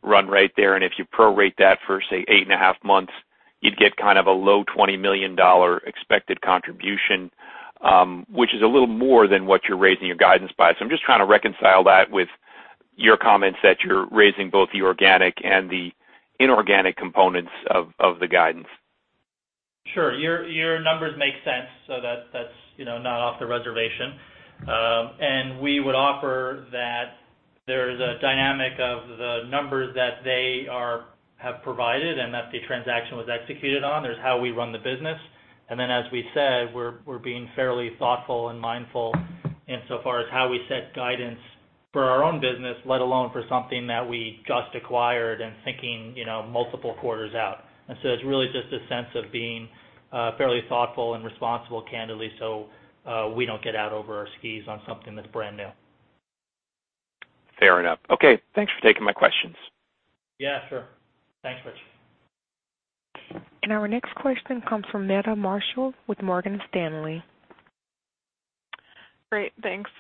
Speaker 8: run rate there, if you pro rate that for, say, eight and a half months, you'd get kind of a low $20 million expected contribution, which is a little more than what you're raising your guidance by. I'm just trying to reconcile that with your comments that you're raising both the organic and the inorganic components of the guidance.
Speaker 4: Sure. Your numbers make sense, so that's not off the reservation. We would offer that there's a dynamic of the numbers that they have provided and that the transaction was executed on. There's how we run the business. As we said, we're being fairly thoughtful and mindful insofar as how we set guidance for our own business, let alone for something that we just acquired and thinking multiple quarters out. It's really just a sense of being fairly thoughtful and responsible, candidly, so we don't get out over our skis on something that's brand new.
Speaker 8: Fair enough. Okay. Thanks for taking my questions.
Speaker 4: Yeah, sure. Thanks, Rich.
Speaker 1: Our next question comes from Meta Marshall with Morgan Stanley.
Speaker 9: Great, thanks.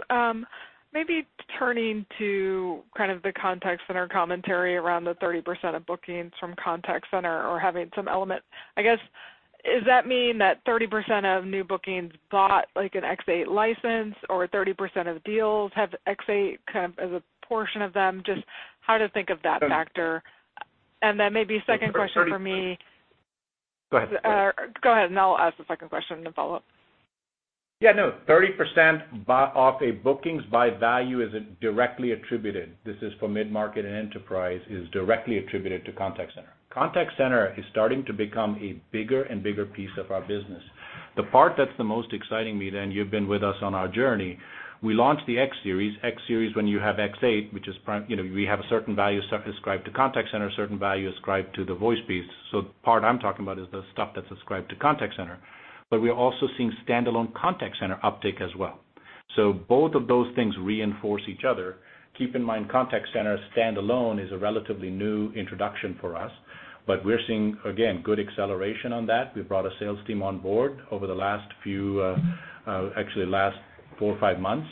Speaker 9: Maybe turning to kind of the Contact Center commentary around the 30% of bookings from Contact Center or having some element, I guess, does that mean that 30% of new bookings bought like an X8 license or 30% of deals have X8 kind of as a portion of them? Just how to think of that factor. Maybe a second question for me.
Speaker 3: Go ahead.
Speaker 9: Go ahead, and I'll ask the second question to follow up.
Speaker 3: Yeah, no. 30% of a bookings by value is directly attributed, this is for mid-market and enterprise, is directly attributed to contact center. Contact center is starting to become a bigger and bigger piece of our business. The part that's the most exciting, Meta, and you've been with us on our journey, we launched the X Series. X Series, when you have X8, we have a certain value ascribed to contact center, a certain value ascribed to the voice piece. The part I'm talking about is the stuff that's ascribed to contact center, but we are also seeing standalone contact center uptick as well. Both of those things reinforce each other. Keep in mind, contact center standalone is a relatively new introduction for us, but we're seeing, again, good acceleration on that. We've brought a sales team on board over the last few, actually last four or five months,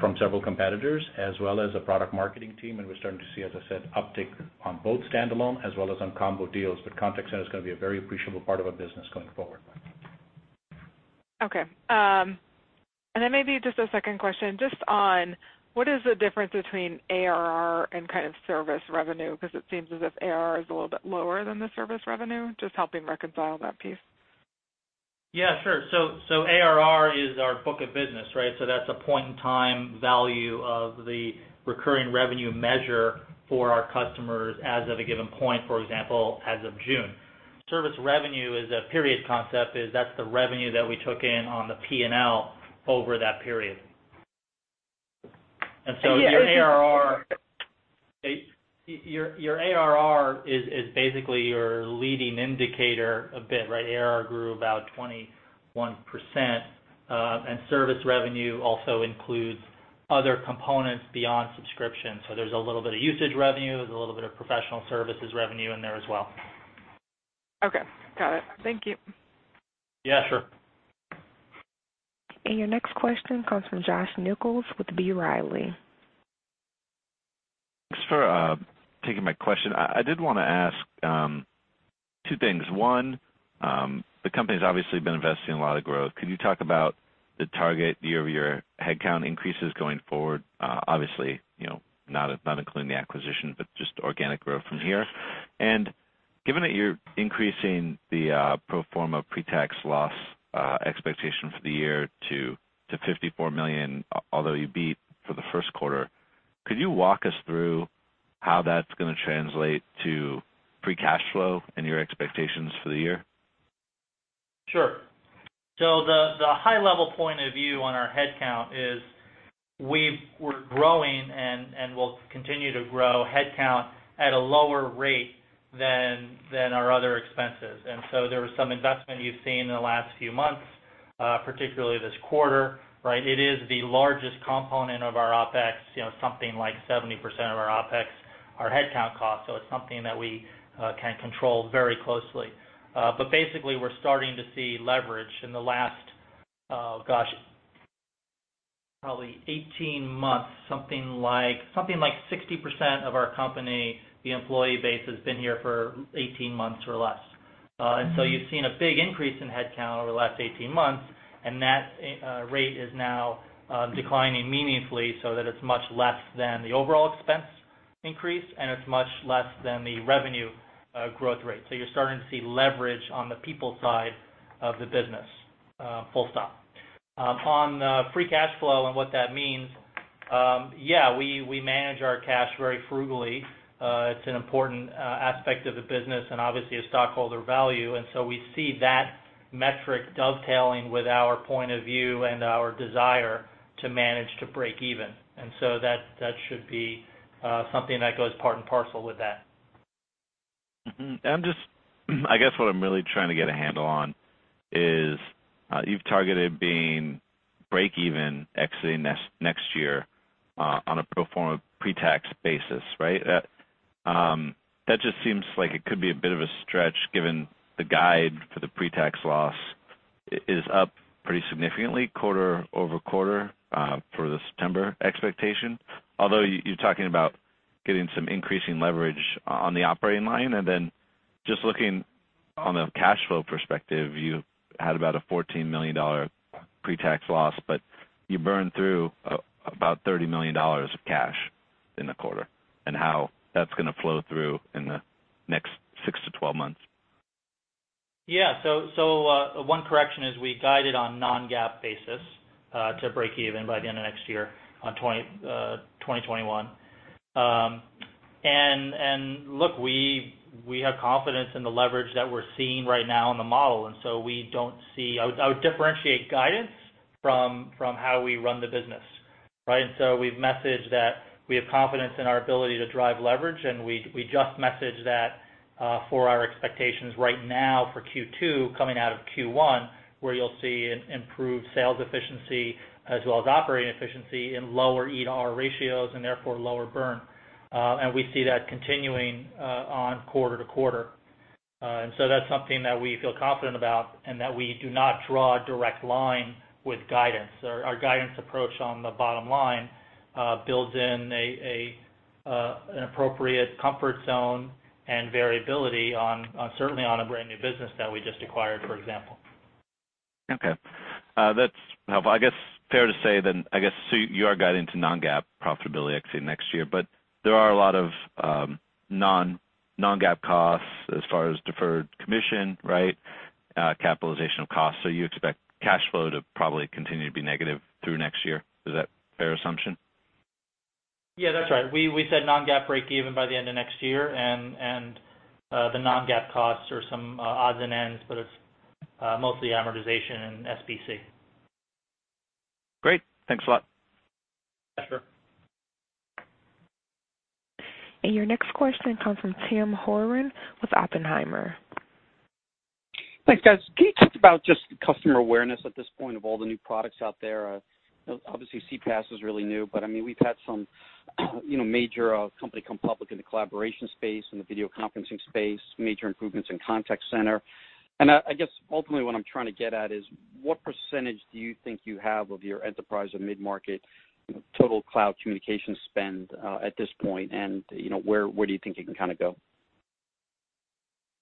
Speaker 3: from several competitors, as well as a product marketing team, and we're starting to see, as I said, uptick on both standalone as well as on combo deals. Contact center is going to be a very appreciable part of our business going forward.
Speaker 9: Okay. Maybe just a second question, just on what is the difference between ARR and kind of service revenue, because it seems as if ARR is a little bit lower than the service revenue? Just helping reconcile that piece.
Speaker 4: Yeah, sure. ARR is our book of business, right? That's a point in time value of the recurring revenue measure for our customers as of a given point, for example, as of June. Service revenue is a period concept, is that's the revenue that we took in on the P&L over that period. Your ARR is basically your leading indicator a bit, right? ARR grew about 21%, and service revenue also includes other components beyond subscription. There's a little bit of usage revenue, there's a little bit of professional services revenue in there as well.
Speaker 9: Okay. Got it. Thank you.
Speaker 4: Yeah, sure.
Speaker 1: Your next question comes from Josh Nichols with B. Riley.
Speaker 10: Thanks for taking my question. I did want to ask two things. One, the company's obviously been investing in a lot of growth. Could you talk about the target year-over-year headcount increases going forward? Obviously, not including the acquisition, but just organic growth from here. Given that you're increasing the pro forma pretax loss expectation for the year to $54 million, although you beat for the first quarter, could you walk us through how that's going to translate to free cash flow and your expectations for the year?
Speaker 4: Sure. The high level point of view on our headcount is we're growing and will continue to grow headcount at a lower rate than our other expenses. There was some investment you've seen in the last few months, particularly this quarter, right? It is the largest component of our OpEx, something like 70% of our OpEx, our headcount cost. It's something that we can control very closely. Basically, we're starting to see leverage. In the last, gosh, probably 18 months, something like 60% of our company, the employee base, has been here for 18 months or less. You've seen a big increase in headcount over the last 18 months, and that rate is now declining meaningfully so that it's much less than the overall expense increase, and it's much less than the revenue growth rate. You're starting to see leverage on the people side of the business. Full stop. On free cash flow and what that means, yeah, we manage our cash very frugally. It's an important aspect of the business and obviously of stockholder value. We see that metric dovetailing with our point of view and our desire to manage to break even. That should be something that goes part and parcel with that.
Speaker 10: I guess what I'm really trying to get a handle on is, you've targeted being break even exiting next year on a pro forma pretax basis, right? That just seems like it could be a bit of a stretch given the guide for the pretax loss is up pretty significantly quarter-over-quarter for the September expectation. Although you're talking about getting some increasing leverage on the operating line. Then just looking on the cash flow perspective, you had about a $14 million pretax loss, but you burned through about $30 million of cash in the quarter, and how that's going to flow through in the next six to 12 months.
Speaker 4: Yeah. One correction is we guided on non-GAAP basis to break even by the end of next year on 2021. Look, we have confidence in the leverage that we're seeing right now in the model, and so I would differentiate guidance from how we run the business, right? We've messaged that we have confidence in our ability to drive leverage, and we just messaged that for our expectations right now for Q2, coming out of Q1, where you'll see improved sales efficiency as well as operating efficiency and lower EAR ratios and therefore lower burn. We see that continuing on quarter to quarter. That's something that we feel confident about and that we do not draw a direct line with guidance. Our guidance approach on the bottom line builds in an appropriate comfort zone and variability, certainly on a brand-new business that we just acquired, for example.
Speaker 10: Okay. That's helpful. Fair to say then, you are guiding to non-GAAP profitability exiting next year, but there are a lot of non-GAAP costs as far as deferred commission and capitalization of costs, right? You expect cash flow to probably continue to be negative through next year. Is that a fair assumption?
Speaker 4: Yeah, that's right. We said non-GAAP break even by the end of next year and the non-GAAP costs are some odds and ends, but it's mostly amortization and SBC.
Speaker 10: Great. Thanks a lot.
Speaker 4: Yeah, sure.
Speaker 1: Your next question comes from Tim Horan with Oppenheimer.
Speaker 11: Thanks, guys. Can you talk about just customer awareness at this point of all the new products out there? Obviously CPaaS is really new, but we've had some major company come public in the collaboration space and the video conferencing space, major improvements in contact center. I guess ultimately what I'm trying to get at is, what percentage do you think you have of your enterprise or mid-market total cloud communication spend at this point? Where do you think you can go?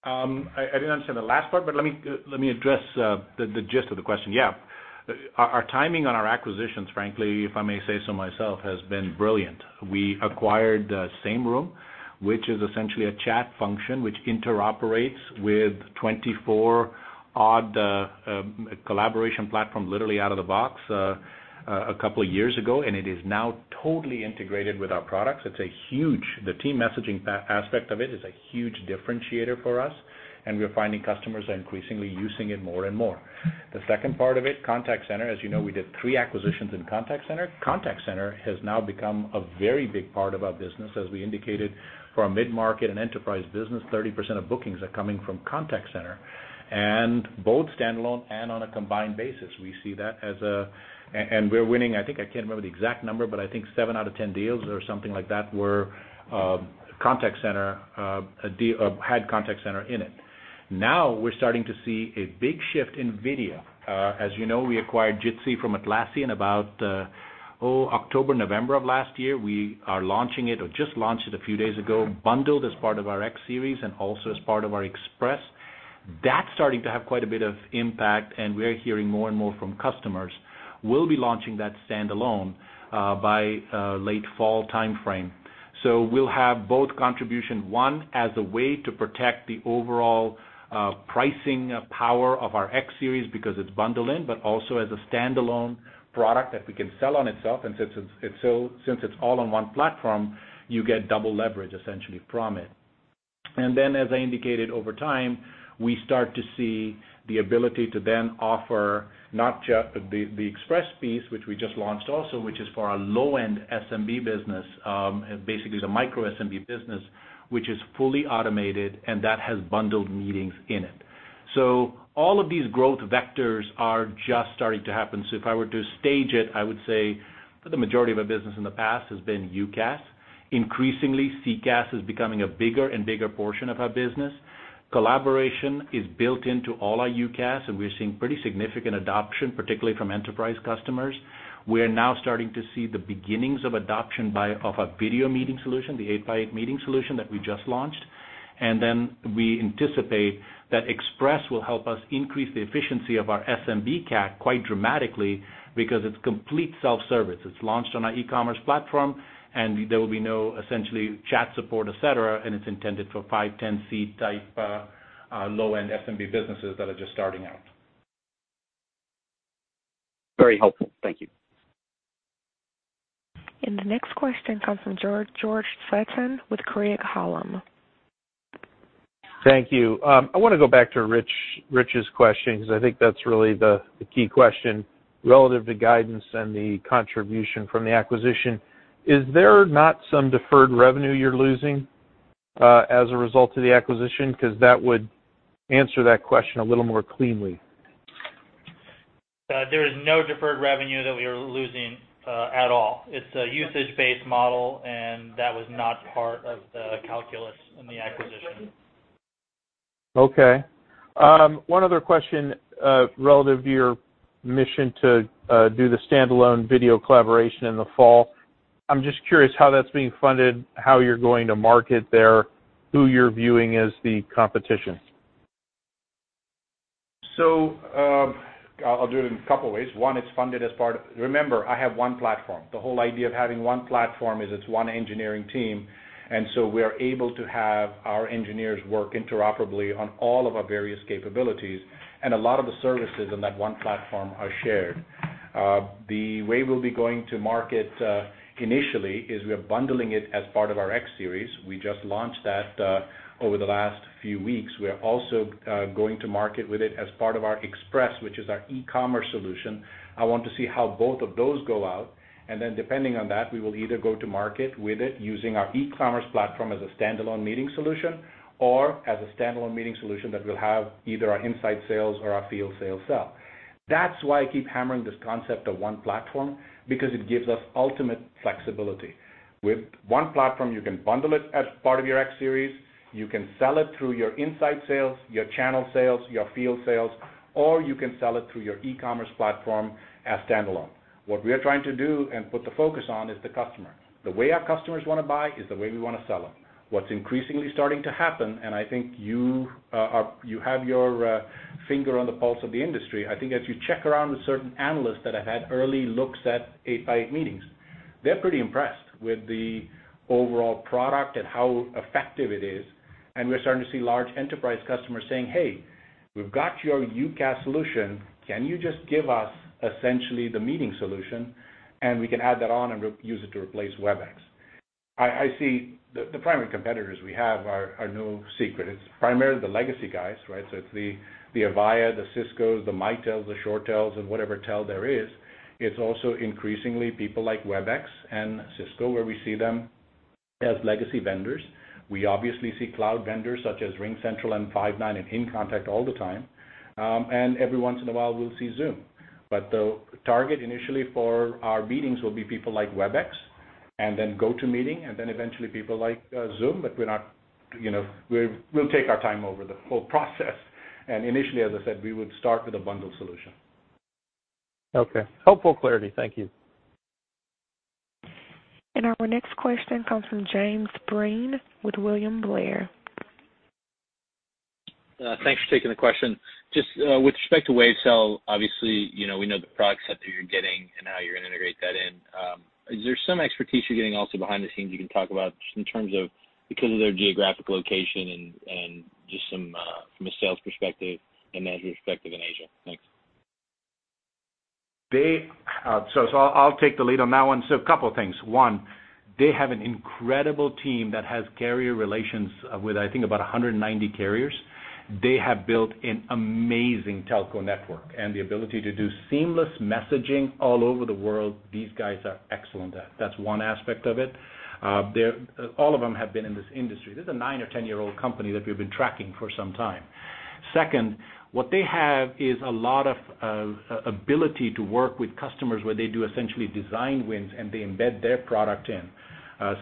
Speaker 3: I didn't understand the last part, but let me address the gist of the question. Yeah. Our timing on our acquisitions, frankly, if I may say so myself, has been brilliant. We acquired Sameroom, which is essentially a chat function, which interoperates with 24 odd collaboration platform literally out of the box, a couple of years ago, and it is now totally integrated with our products. The team messaging aspect of it is a huge differentiator for us, and we're finding customers are increasingly using it more and more. The second part of it, contact center. As you know, we did three acquisitions in contact center. Contact center has now become a very big part of our business. As we indicated for our mid-market and enterprise business, 30% of bookings are coming from contact center, and both standalone and on a combined basis. We're winning, I think, I can't remember the exact number, but I think seven out of 10 deals or something like that had contact center in it. We're starting to see a big shift in video. As you know, we acquired Jitsi from Atlassian about October, November of last year, we are launching it or just launched it a few days ago, bundled as part of our X Series and also as part of our Express. That's starting to have quite a bit of impact, and we're hearing more and more from customers. We'll be launching that standalone by late fall timeframe. We'll have both contribution, one, as a way to protect the overall pricing power of our X Series because it's bundle-in, but also as a standalone product that we can sell on itself. Since it's all on one platform, you get double leverage essentially from it. Then as I indicated, over time, we start to see the ability to then offer not just the Express piece, which we just launched also, which is for our low-end SMB business, basically it's a micro SMB business, which is fully automated, and that has bundled meetings in it. All of these growth vectors are just starting to happen. If I were to stage it, I would say for the majority of our business in the past has been UCaaS. Increasingly, CCaaS is becoming a bigger and bigger portion of our business. Collaboration is built into all our UCaaS, and we're seeing pretty significant adoption, particularly from enterprise customers. We are now starting to see the beginnings of adoption of our video meeting solution, the 8x8 Video Meetings solution that we just launched. We anticipate that Express will help us increase the efficiency of our SMB CAC quite dramatically because it's complete self-service. It's launched on our e-commerce platform, and there will be no, essentially chat support, et cetera, and it's intended for 5, 10 seat type, low-end SMB businesses that are just starting out.
Speaker 11: Very helpful. Thank you.
Speaker 1: The next question comes from George Sutton with Craig-Hallum.
Speaker 12: Thank you. I want to go back to Rich's question because I think that's really the key question relative to guidance and the contribution from the acquisition. Is there not some deferred revenue you're losing as a result of the acquisition? That would answer that question a little more cleanly.
Speaker 4: There is no deferred revenue that we are losing at all. It's a usage-based model, and that was not part of the calculus in the acquisition.
Speaker 12: Okay. One other question, relative to your mission to do the standalone video collaboration in the fall. I'm just curious how that's being funded, how you're going to market there, who you're viewing as the competition.
Speaker 3: I'll do it in a couple ways. One, Remember, I have one platform. The whole idea of having one platform is it's one engineering team, we are able to have our engineers work interoperably on all of our various capabilities, a lot of the services on that one platform are shared. The way we'll be going to market initially is we are bundling it as part of our X Series. We just launched that over the last few weeks. We're also going to market with it as part of our Express, which is our e-commerce solution. I want to see how both of those go out. Depending on that, we will either go to market with it using our e-commerce platform as a standalone meeting solution or as a standalone meeting solution that will have either our inside sales or our field sales sell. That's why I keep hammering this concept of one platform because it gives us ultimate flexibility. With one platform, you can bundle it as part of your X Series, you can sell it through your inside sales, your channel sales, your field sales, or you can sell it through your e-commerce platform as standalone. What we are trying to do and put the focus on is the customer. The way our customers want to buy is the way we want to sell them. What's increasingly starting to happen, and I think you have your finger on the pulse of the industry. I think if you check around with certain analysts that have had early looks at 8x8 Meetings, they're pretty impressed with the overall product and how effective it is. We're starting to see large enterprise customers saying, "Hey, we've got your UCaaS solution. Can you just give us essentially the meeting solution, and we can add that on and use it to replace Webex?" I see the primary competitors we have are no secret. It's primarily the legacy guys, right? It's the Avayas, the Ciscos, the Mitels, the ShoreTels, and whatever tel there is. It's also increasingly people like Webex and Cisco, where we see them as legacy vendors. We obviously see cloud vendors such as RingCentral and Five9 and inContact all the time. Every once in a while, we'll see Zoom. The target initially for our meetings will be people like Webex and then GoToMeeting, and then eventually people like Zoom, but we'll take our time over the whole process. Initially, as I said, we would start with a bundled solution.
Speaker 12: Okay. Helpful clarity. Thank you.
Speaker 1: Our next question comes from James Breen with William Blair.
Speaker 13: Thanks for taking the question. Just with respect to Wavecell, obviously, we know the product set that you're getting and how you're going to integrate that in. Is there some expertise you're getting also behind the scenes you can talk about just in terms of because of their geographic location and just from a sales perspective and management perspective in Asia? Thanks.
Speaker 3: I'll take the lead on that one. A couple things. One, they have an incredible team that has carrier relations with, I think about 190 carriers. They have built an amazing telco network and the ability to do seamless messaging all over the world. These guys are excellent at that. That's one aspect of it. All of them have been in this industry. This is a nine or 10-year-old company that we've been tracking for some time. Second, what they have is a lot of ability to work with customers where they do essentially design wins, and they embed their product in.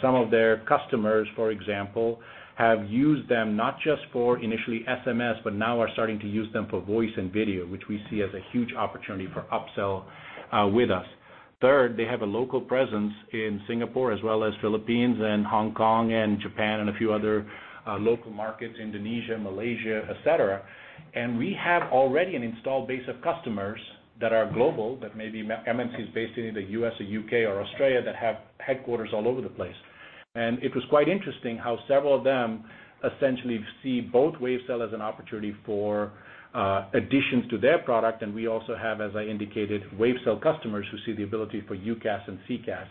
Speaker 3: Some of their customers, for example, have used them not just for initially SMS, but now are starting to use them for voice and video, which we see as a huge opportunity for upsell with us. Third, they have a local presence in Singapore as well as Philippines and Hong Kong and Japan and a few other local markets, Indonesia, Malaysia, et cetera. We have already an installed base of customers that are global, that may be MNCs based in either U.S. or U.K. or Australia that have headquarters all over the place. It was quite interesting how several of them essentially see both Wavecell as an opportunity for additions to their product, and we also have, as I indicated, Wavecell customers who see the ability for UCaaS and CCaaS.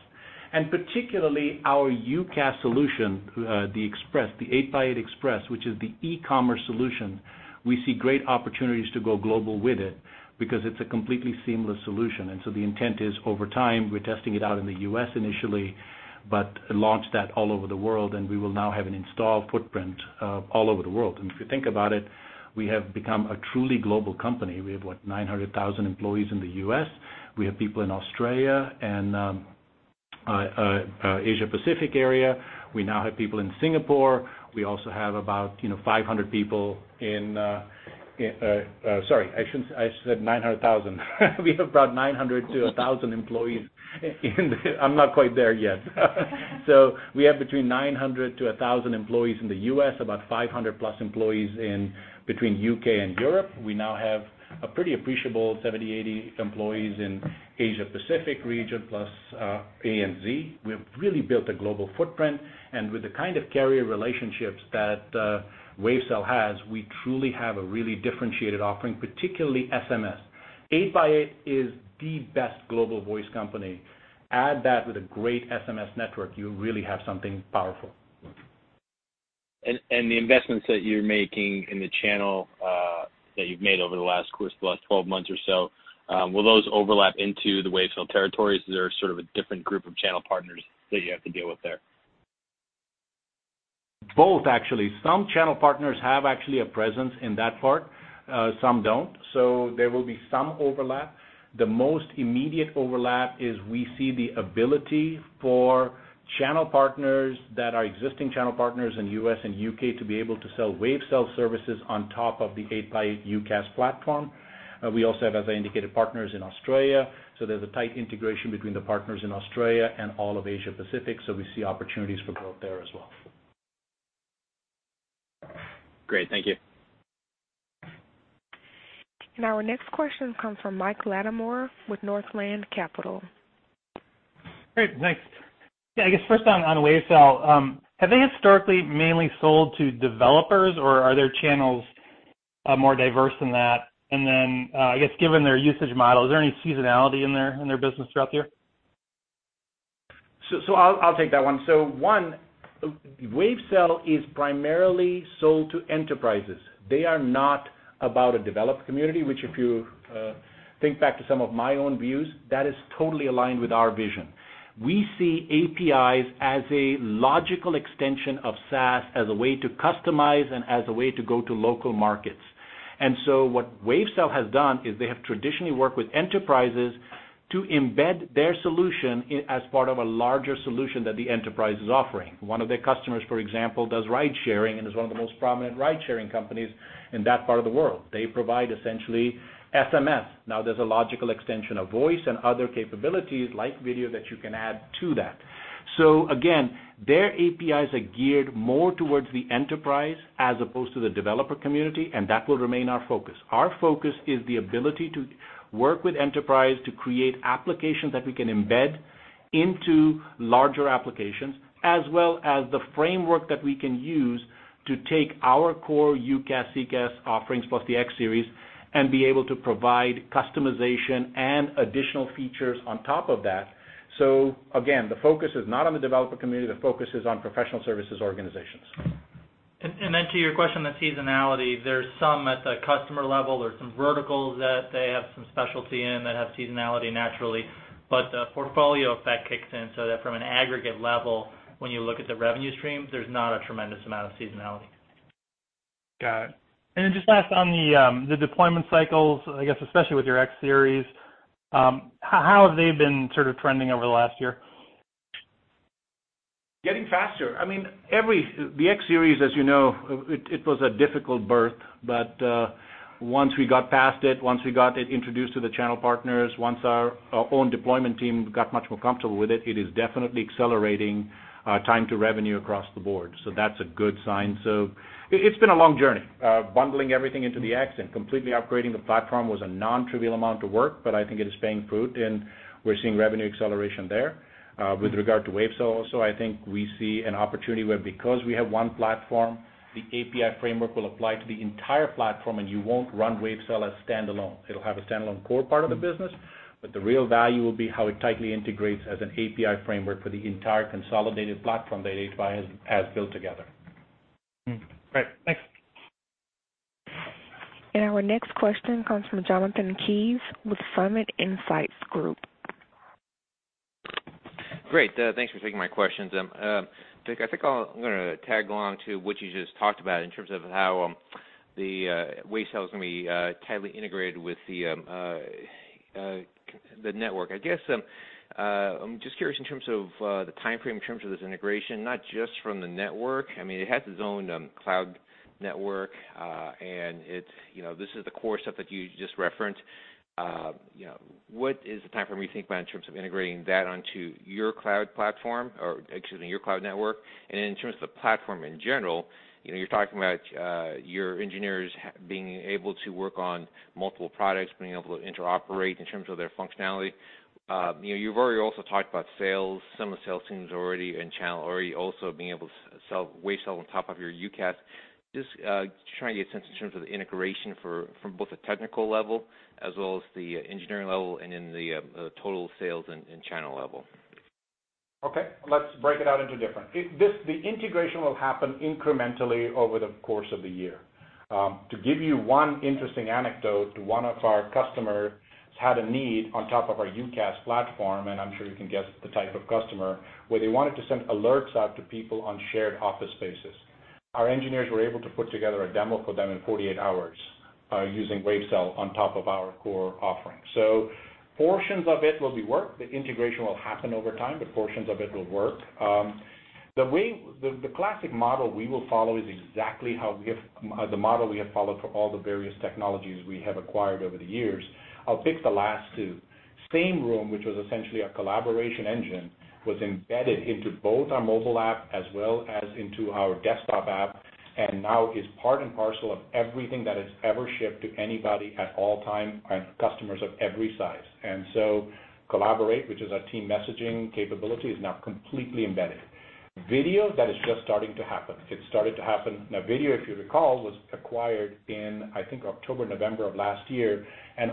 Speaker 3: Particularly our UCaaS solution, the 8x8 Express, which is the e-commerce solution, we see great opportunities to go global with it because it's a completely seamless solution. The intent is, over time, we're testing it out in the U.S. initially, but launch that all over the world, and we will now have an installed footprint all over the world. If you think about it, we have become a truly global company. We have, what, 900,000 employees in the U.S. We have people in Australia and Asia Pacific area. We now have people in Singapore. We also have about 500 people in Sorry, I shouldn't have said 900,000. We have about 900-1,000 employees in I'm not quite there yet. We have between 900-1,000 employees in the U.S., about 500+ employees between U.K. and Europe. We now have a pretty appreciable 70, 80 employees in Asia Pacific region, plus ANZ. We have really built a global footprint, and with the kind of carrier relationships that Wavecell has, we truly have a really differentiated offering, particularly SMS. 8x8 is the best global voice company. Add that with a great SMS network, you really have something powerful.
Speaker 13: The investments that you're making in the channel that you've made over the last 12 months or so, will those overlap into the Wavecell territories? Is there a different group of channel partners that you have to deal with there?
Speaker 3: Both, actually. Some channel partners have actually a presence in that part. Some don't. There will be some overlap. The most immediate overlap is we see the ability for channel partners that are existing channel partners in U.S. and U.K. to be able to sell Wavecell services on top of the 8x8 UCaaS platform. We also have, as I indicated, partners in Australia, so there's a tight integration between the partners in Australia and all of Asia Pacific, so we see opportunities for growth there as well.
Speaker 13: Great. Thank you.
Speaker 1: Our next question comes from Mike Latimore with Northland Capital.
Speaker 14: Great, thanks. Yeah, I guess first on Wavecell, have they historically mainly sold to developers, or are their channels more diverse than that? I guess, given their usage model, is there any seasonality in their business throughout the year?
Speaker 3: I'll take that one. One, Wavecell is primarily sold to enterprises. They are not about a developer community, which, if you think back to some of my own views, that is totally aligned with our vision. We see APIs as a logical extension of SaaS as a way to customize and as a way to go to local markets. What Wavecell has done is they have traditionally worked with enterprises to embed their solution as part of a larger solution that the enterprise is offering. One of their customers, for example, does ride sharing and is one of the most prominent ride sharing companies in that part of the world. They provide essentially SMS. There's a logical extension of voice and other capabilities like video that you can add to that. Again, their APIs are geared more towards the enterprise as opposed to the developer community, and that will remain our focus. Our focus is the ability to work with enterprise to create applications that we can embed into larger applications, as well as the framework that we can use to take our core UCaaS, CCaaS offerings, plus the X Series, and be able to provide customization and additional features on top of that. Again, the focus is not on the developer community. The focus is on professional services organizations.
Speaker 4: To your question on seasonality, there's some at the customer level. There's some verticals that they have some specialty in that have seasonality naturally. The portfolio effect kicks in so that from an aggregate level, when you look at the revenue streams, there's not a tremendous amount of seasonality.
Speaker 14: Got it. Then just last on the deployment cycles, I guess especially with your X Series, how have they been trending over the last year?
Speaker 3: Getting faster. I mean, the X Series, as you know, it was a difficult birth, but once we got past it, once we got it introduced to the channel partners, once our own deployment team got much more comfortable with it is definitely accelerating our time to revenue across the board. That's a good sign. It's been a long journey. Bundling everything into the X and completely upgrading the platform was a nontrivial amount of work, but I think it is paying fruit, and we're seeing revenue acceleration there. With regard to Wavecell also, I think we see an opportunity where because we have one platform, the API framework will apply to the entire platform, and you won't run Wavecell as standalone. It'll have a standalone core part of the business, but the real value will be how it tightly integrates as an API framework for the entire consolidated platform that 8x8 has built together.
Speaker 14: Great. Thanks.
Speaker 1: Our next question comes from Jonathan Kees with Summit Insights Group.
Speaker 15: Great. Thanks for taking my questions. Vik, I think I'm going to tag along to what you just talked about in terms of how the Wavecell is going to be tightly integrated with the network. I guess I'm just curious in terms of the time frame, in terms of this integration, not just from the network, I mean, it has its own cloud network, and this is the core stuff that you just referenced. What is the timeframe you think about in terms of integrating that onto your cloud platform, or excuse me, your cloud network? In terms of the platform in general, you're talking about your engineers being able to work on multiple products, being able to interoperate in terms of their functionality. You've already also talked about sales, some of the sales teams already in channel already also being able to Wavecell on top of your UCaaS. Just trying to get a sense in terms of the integration from both a technical level as well as the engineering level and in the total sales and channel level.
Speaker 3: Okay. The integration will happen incrementally over the course of the year. To give you one interesting anecdote, one of our customers had a need on top of our UCaaS platform, and I'm sure you can guess the type of customer, where they wanted to send alerts out to people on shared office spaces. Our engineers were able to put together a demo for them in 48 hours using Wavecell on top of our core offering. Portions of it will be work. The integration will happen over time, portions of it will work. The classic model we will follow is exactly the model we have followed for all the various technologies we have acquired over the years. I'll pick the last two. Sameroom, which was essentially a collaboration engine, was embedded into both our mobile app as well as into our desktop app. Now is part and parcel of everything that has ever shipped to anybody at all time, customers of every size. Collaborate, which is our team messaging capability, is now completely embedded. Video, that is just starting to happen. It started to happen. Now, Video, if you recall, was acquired in, I think, October, November of last year.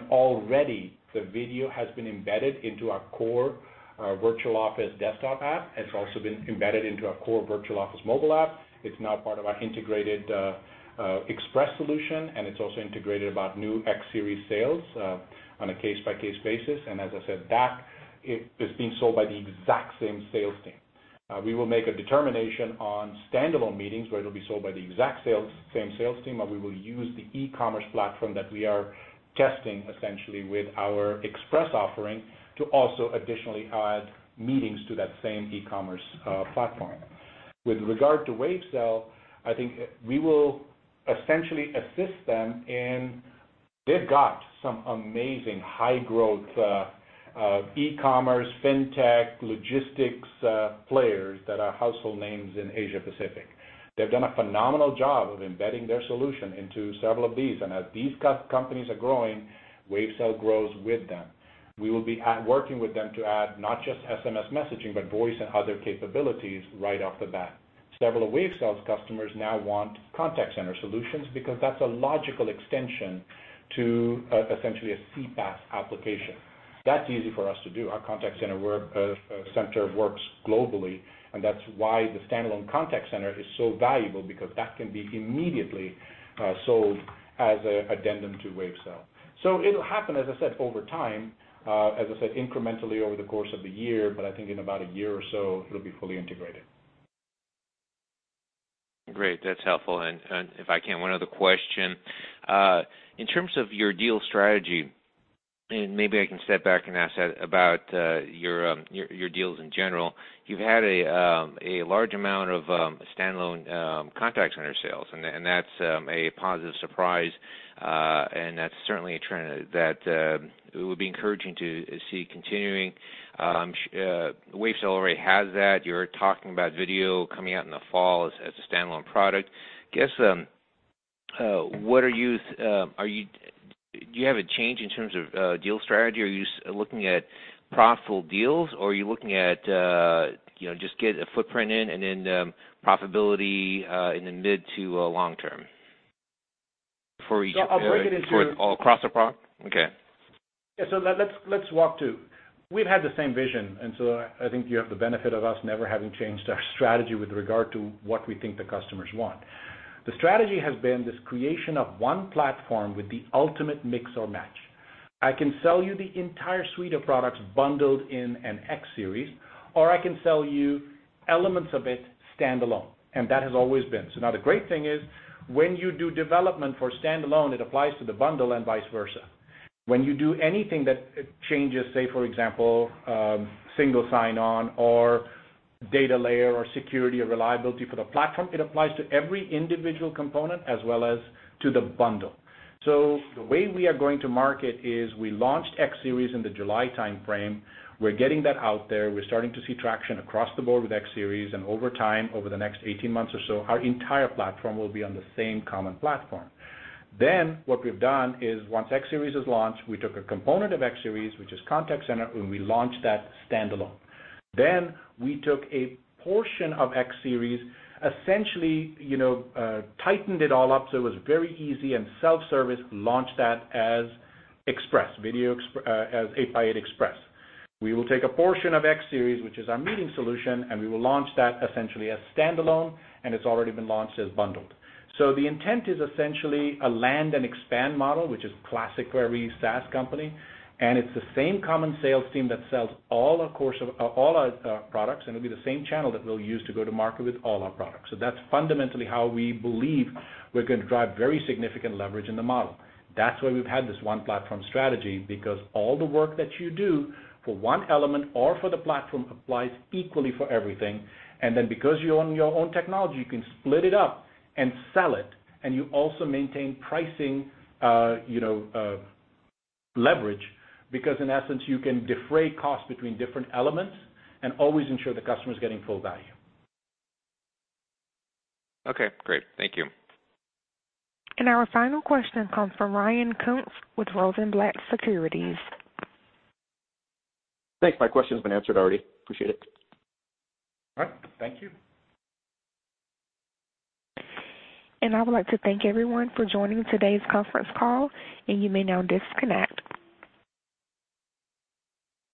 Speaker 3: Already the Video has been embedded into our core Virtual Office desktop app. It's also been embedded into our core Virtual Office mobile app. It's now part of our integrated Express solution. It's also integrated about new X Series sales on a case-by-case basis. As I said, that is being sold by the exact same sales team. We will make a determination on standalone meetings, where it'll be sold by the exact same sales team, but we will use the e-commerce platform that we are testing essentially with our Express offering to also additionally add meetings to that same e-commerce platform. With regard to Wavecell, I think we will essentially assist them. They've got some amazing high growth e-commerce, FinTech, logistics players that are household names in Asia Pacific. They've done a phenomenal job of embedding their solution into several of these, and as these companies are growing, Wavecell grows with them. We will be working with them to add not just SMS messaging, but voice and other capabilities right off the bat. Several of Wavecell's customers now want contact center solutions because that's a logical extension to essentially a CPaaS application. That's easy for us to do. Our contact center works globally, and that's why the standalone contact center is so valuable because that can be immediately sold as an addendum to Wavecell. It'll happen, as I said, over time, as I said, incrementally over the course of the year, but I think in about a year or so, it'll be fully integrated.
Speaker 15: Great. That's helpful. If I can, one other question. In terms of your deal strategy, and maybe I can step back and ask that about your deals in general. You've had a large amount of standalone contact center sales, and that's a positive surprise. That's certainly a trend that it would be encouraging to see continuing. Wavecell already has that. You're talking about Video coming out in the fall as a standalone product. Do you have a change in terms of deal strategy? Are you looking at profitable deals, or are you looking at just get a footprint in and then profitability in the mid to long term?
Speaker 3: So I'll break it into-
Speaker 15: All across the product? Okay.
Speaker 3: Yeah. Let's walk through. We've had the same vision. I think you have the benefit of us never having changed our strategy with regard to what we think the customers want. The strategy has been this creation of one platform with the ultimate mix or match. I can sell you the entire suite of products bundled in an X Series, or I can sell you elements of it standalone. That has always been. Now the great thing is when you do development for standalone, it applies to the bundle and vice versa. When you do anything that changes, say, for example, single sign-on or data layer or security or reliability for the platform, it applies to every individual component as well as to the bundle. The way we are going to market is we launched X Series in the July timeframe. We're getting that out there. We're starting to see traction across the board with X Series. Over time, over the next 18 months or so, our entire platform will be on the same common platform. What we've done is once X Series is launched, we took a component of X Series, which is Contact Center, we launched that standalone. We took a portion of X Series, essentially tightened it all up so it was very easy and self-service launched that as 8x8 Express. We will take a portion of X Series which is our meeting solution. We will launch that essentially as standalone. It's already been launched as bundled. The intent is essentially a land and expand model, which is classic for every SaaS company, and it's the same common sales team that sells all our products, and it'll be the same channel that we'll use to go to market with all our products. That's fundamentally how we believe we're going to drive very significant leverage in the model. That's why we've had this one platform strategy, because all the work that you do for one element or for the platform applies equally for everything. Because you own your own technology, you can split it up and sell it, and you also maintain pricing leverage, because in essence, you can defray costs between different elements and always ensure the customer is getting full value.
Speaker 15: Okay, great. Thank you.
Speaker 1: Our final question comes from Ryan Koontz with Rosenblatt Securities.
Speaker 16: Thanks. My question's been answered already. Appreciate it.
Speaker 3: All right. Thank you.
Speaker 1: I would like to thank everyone for joining today's conference call, and you may now disconnect.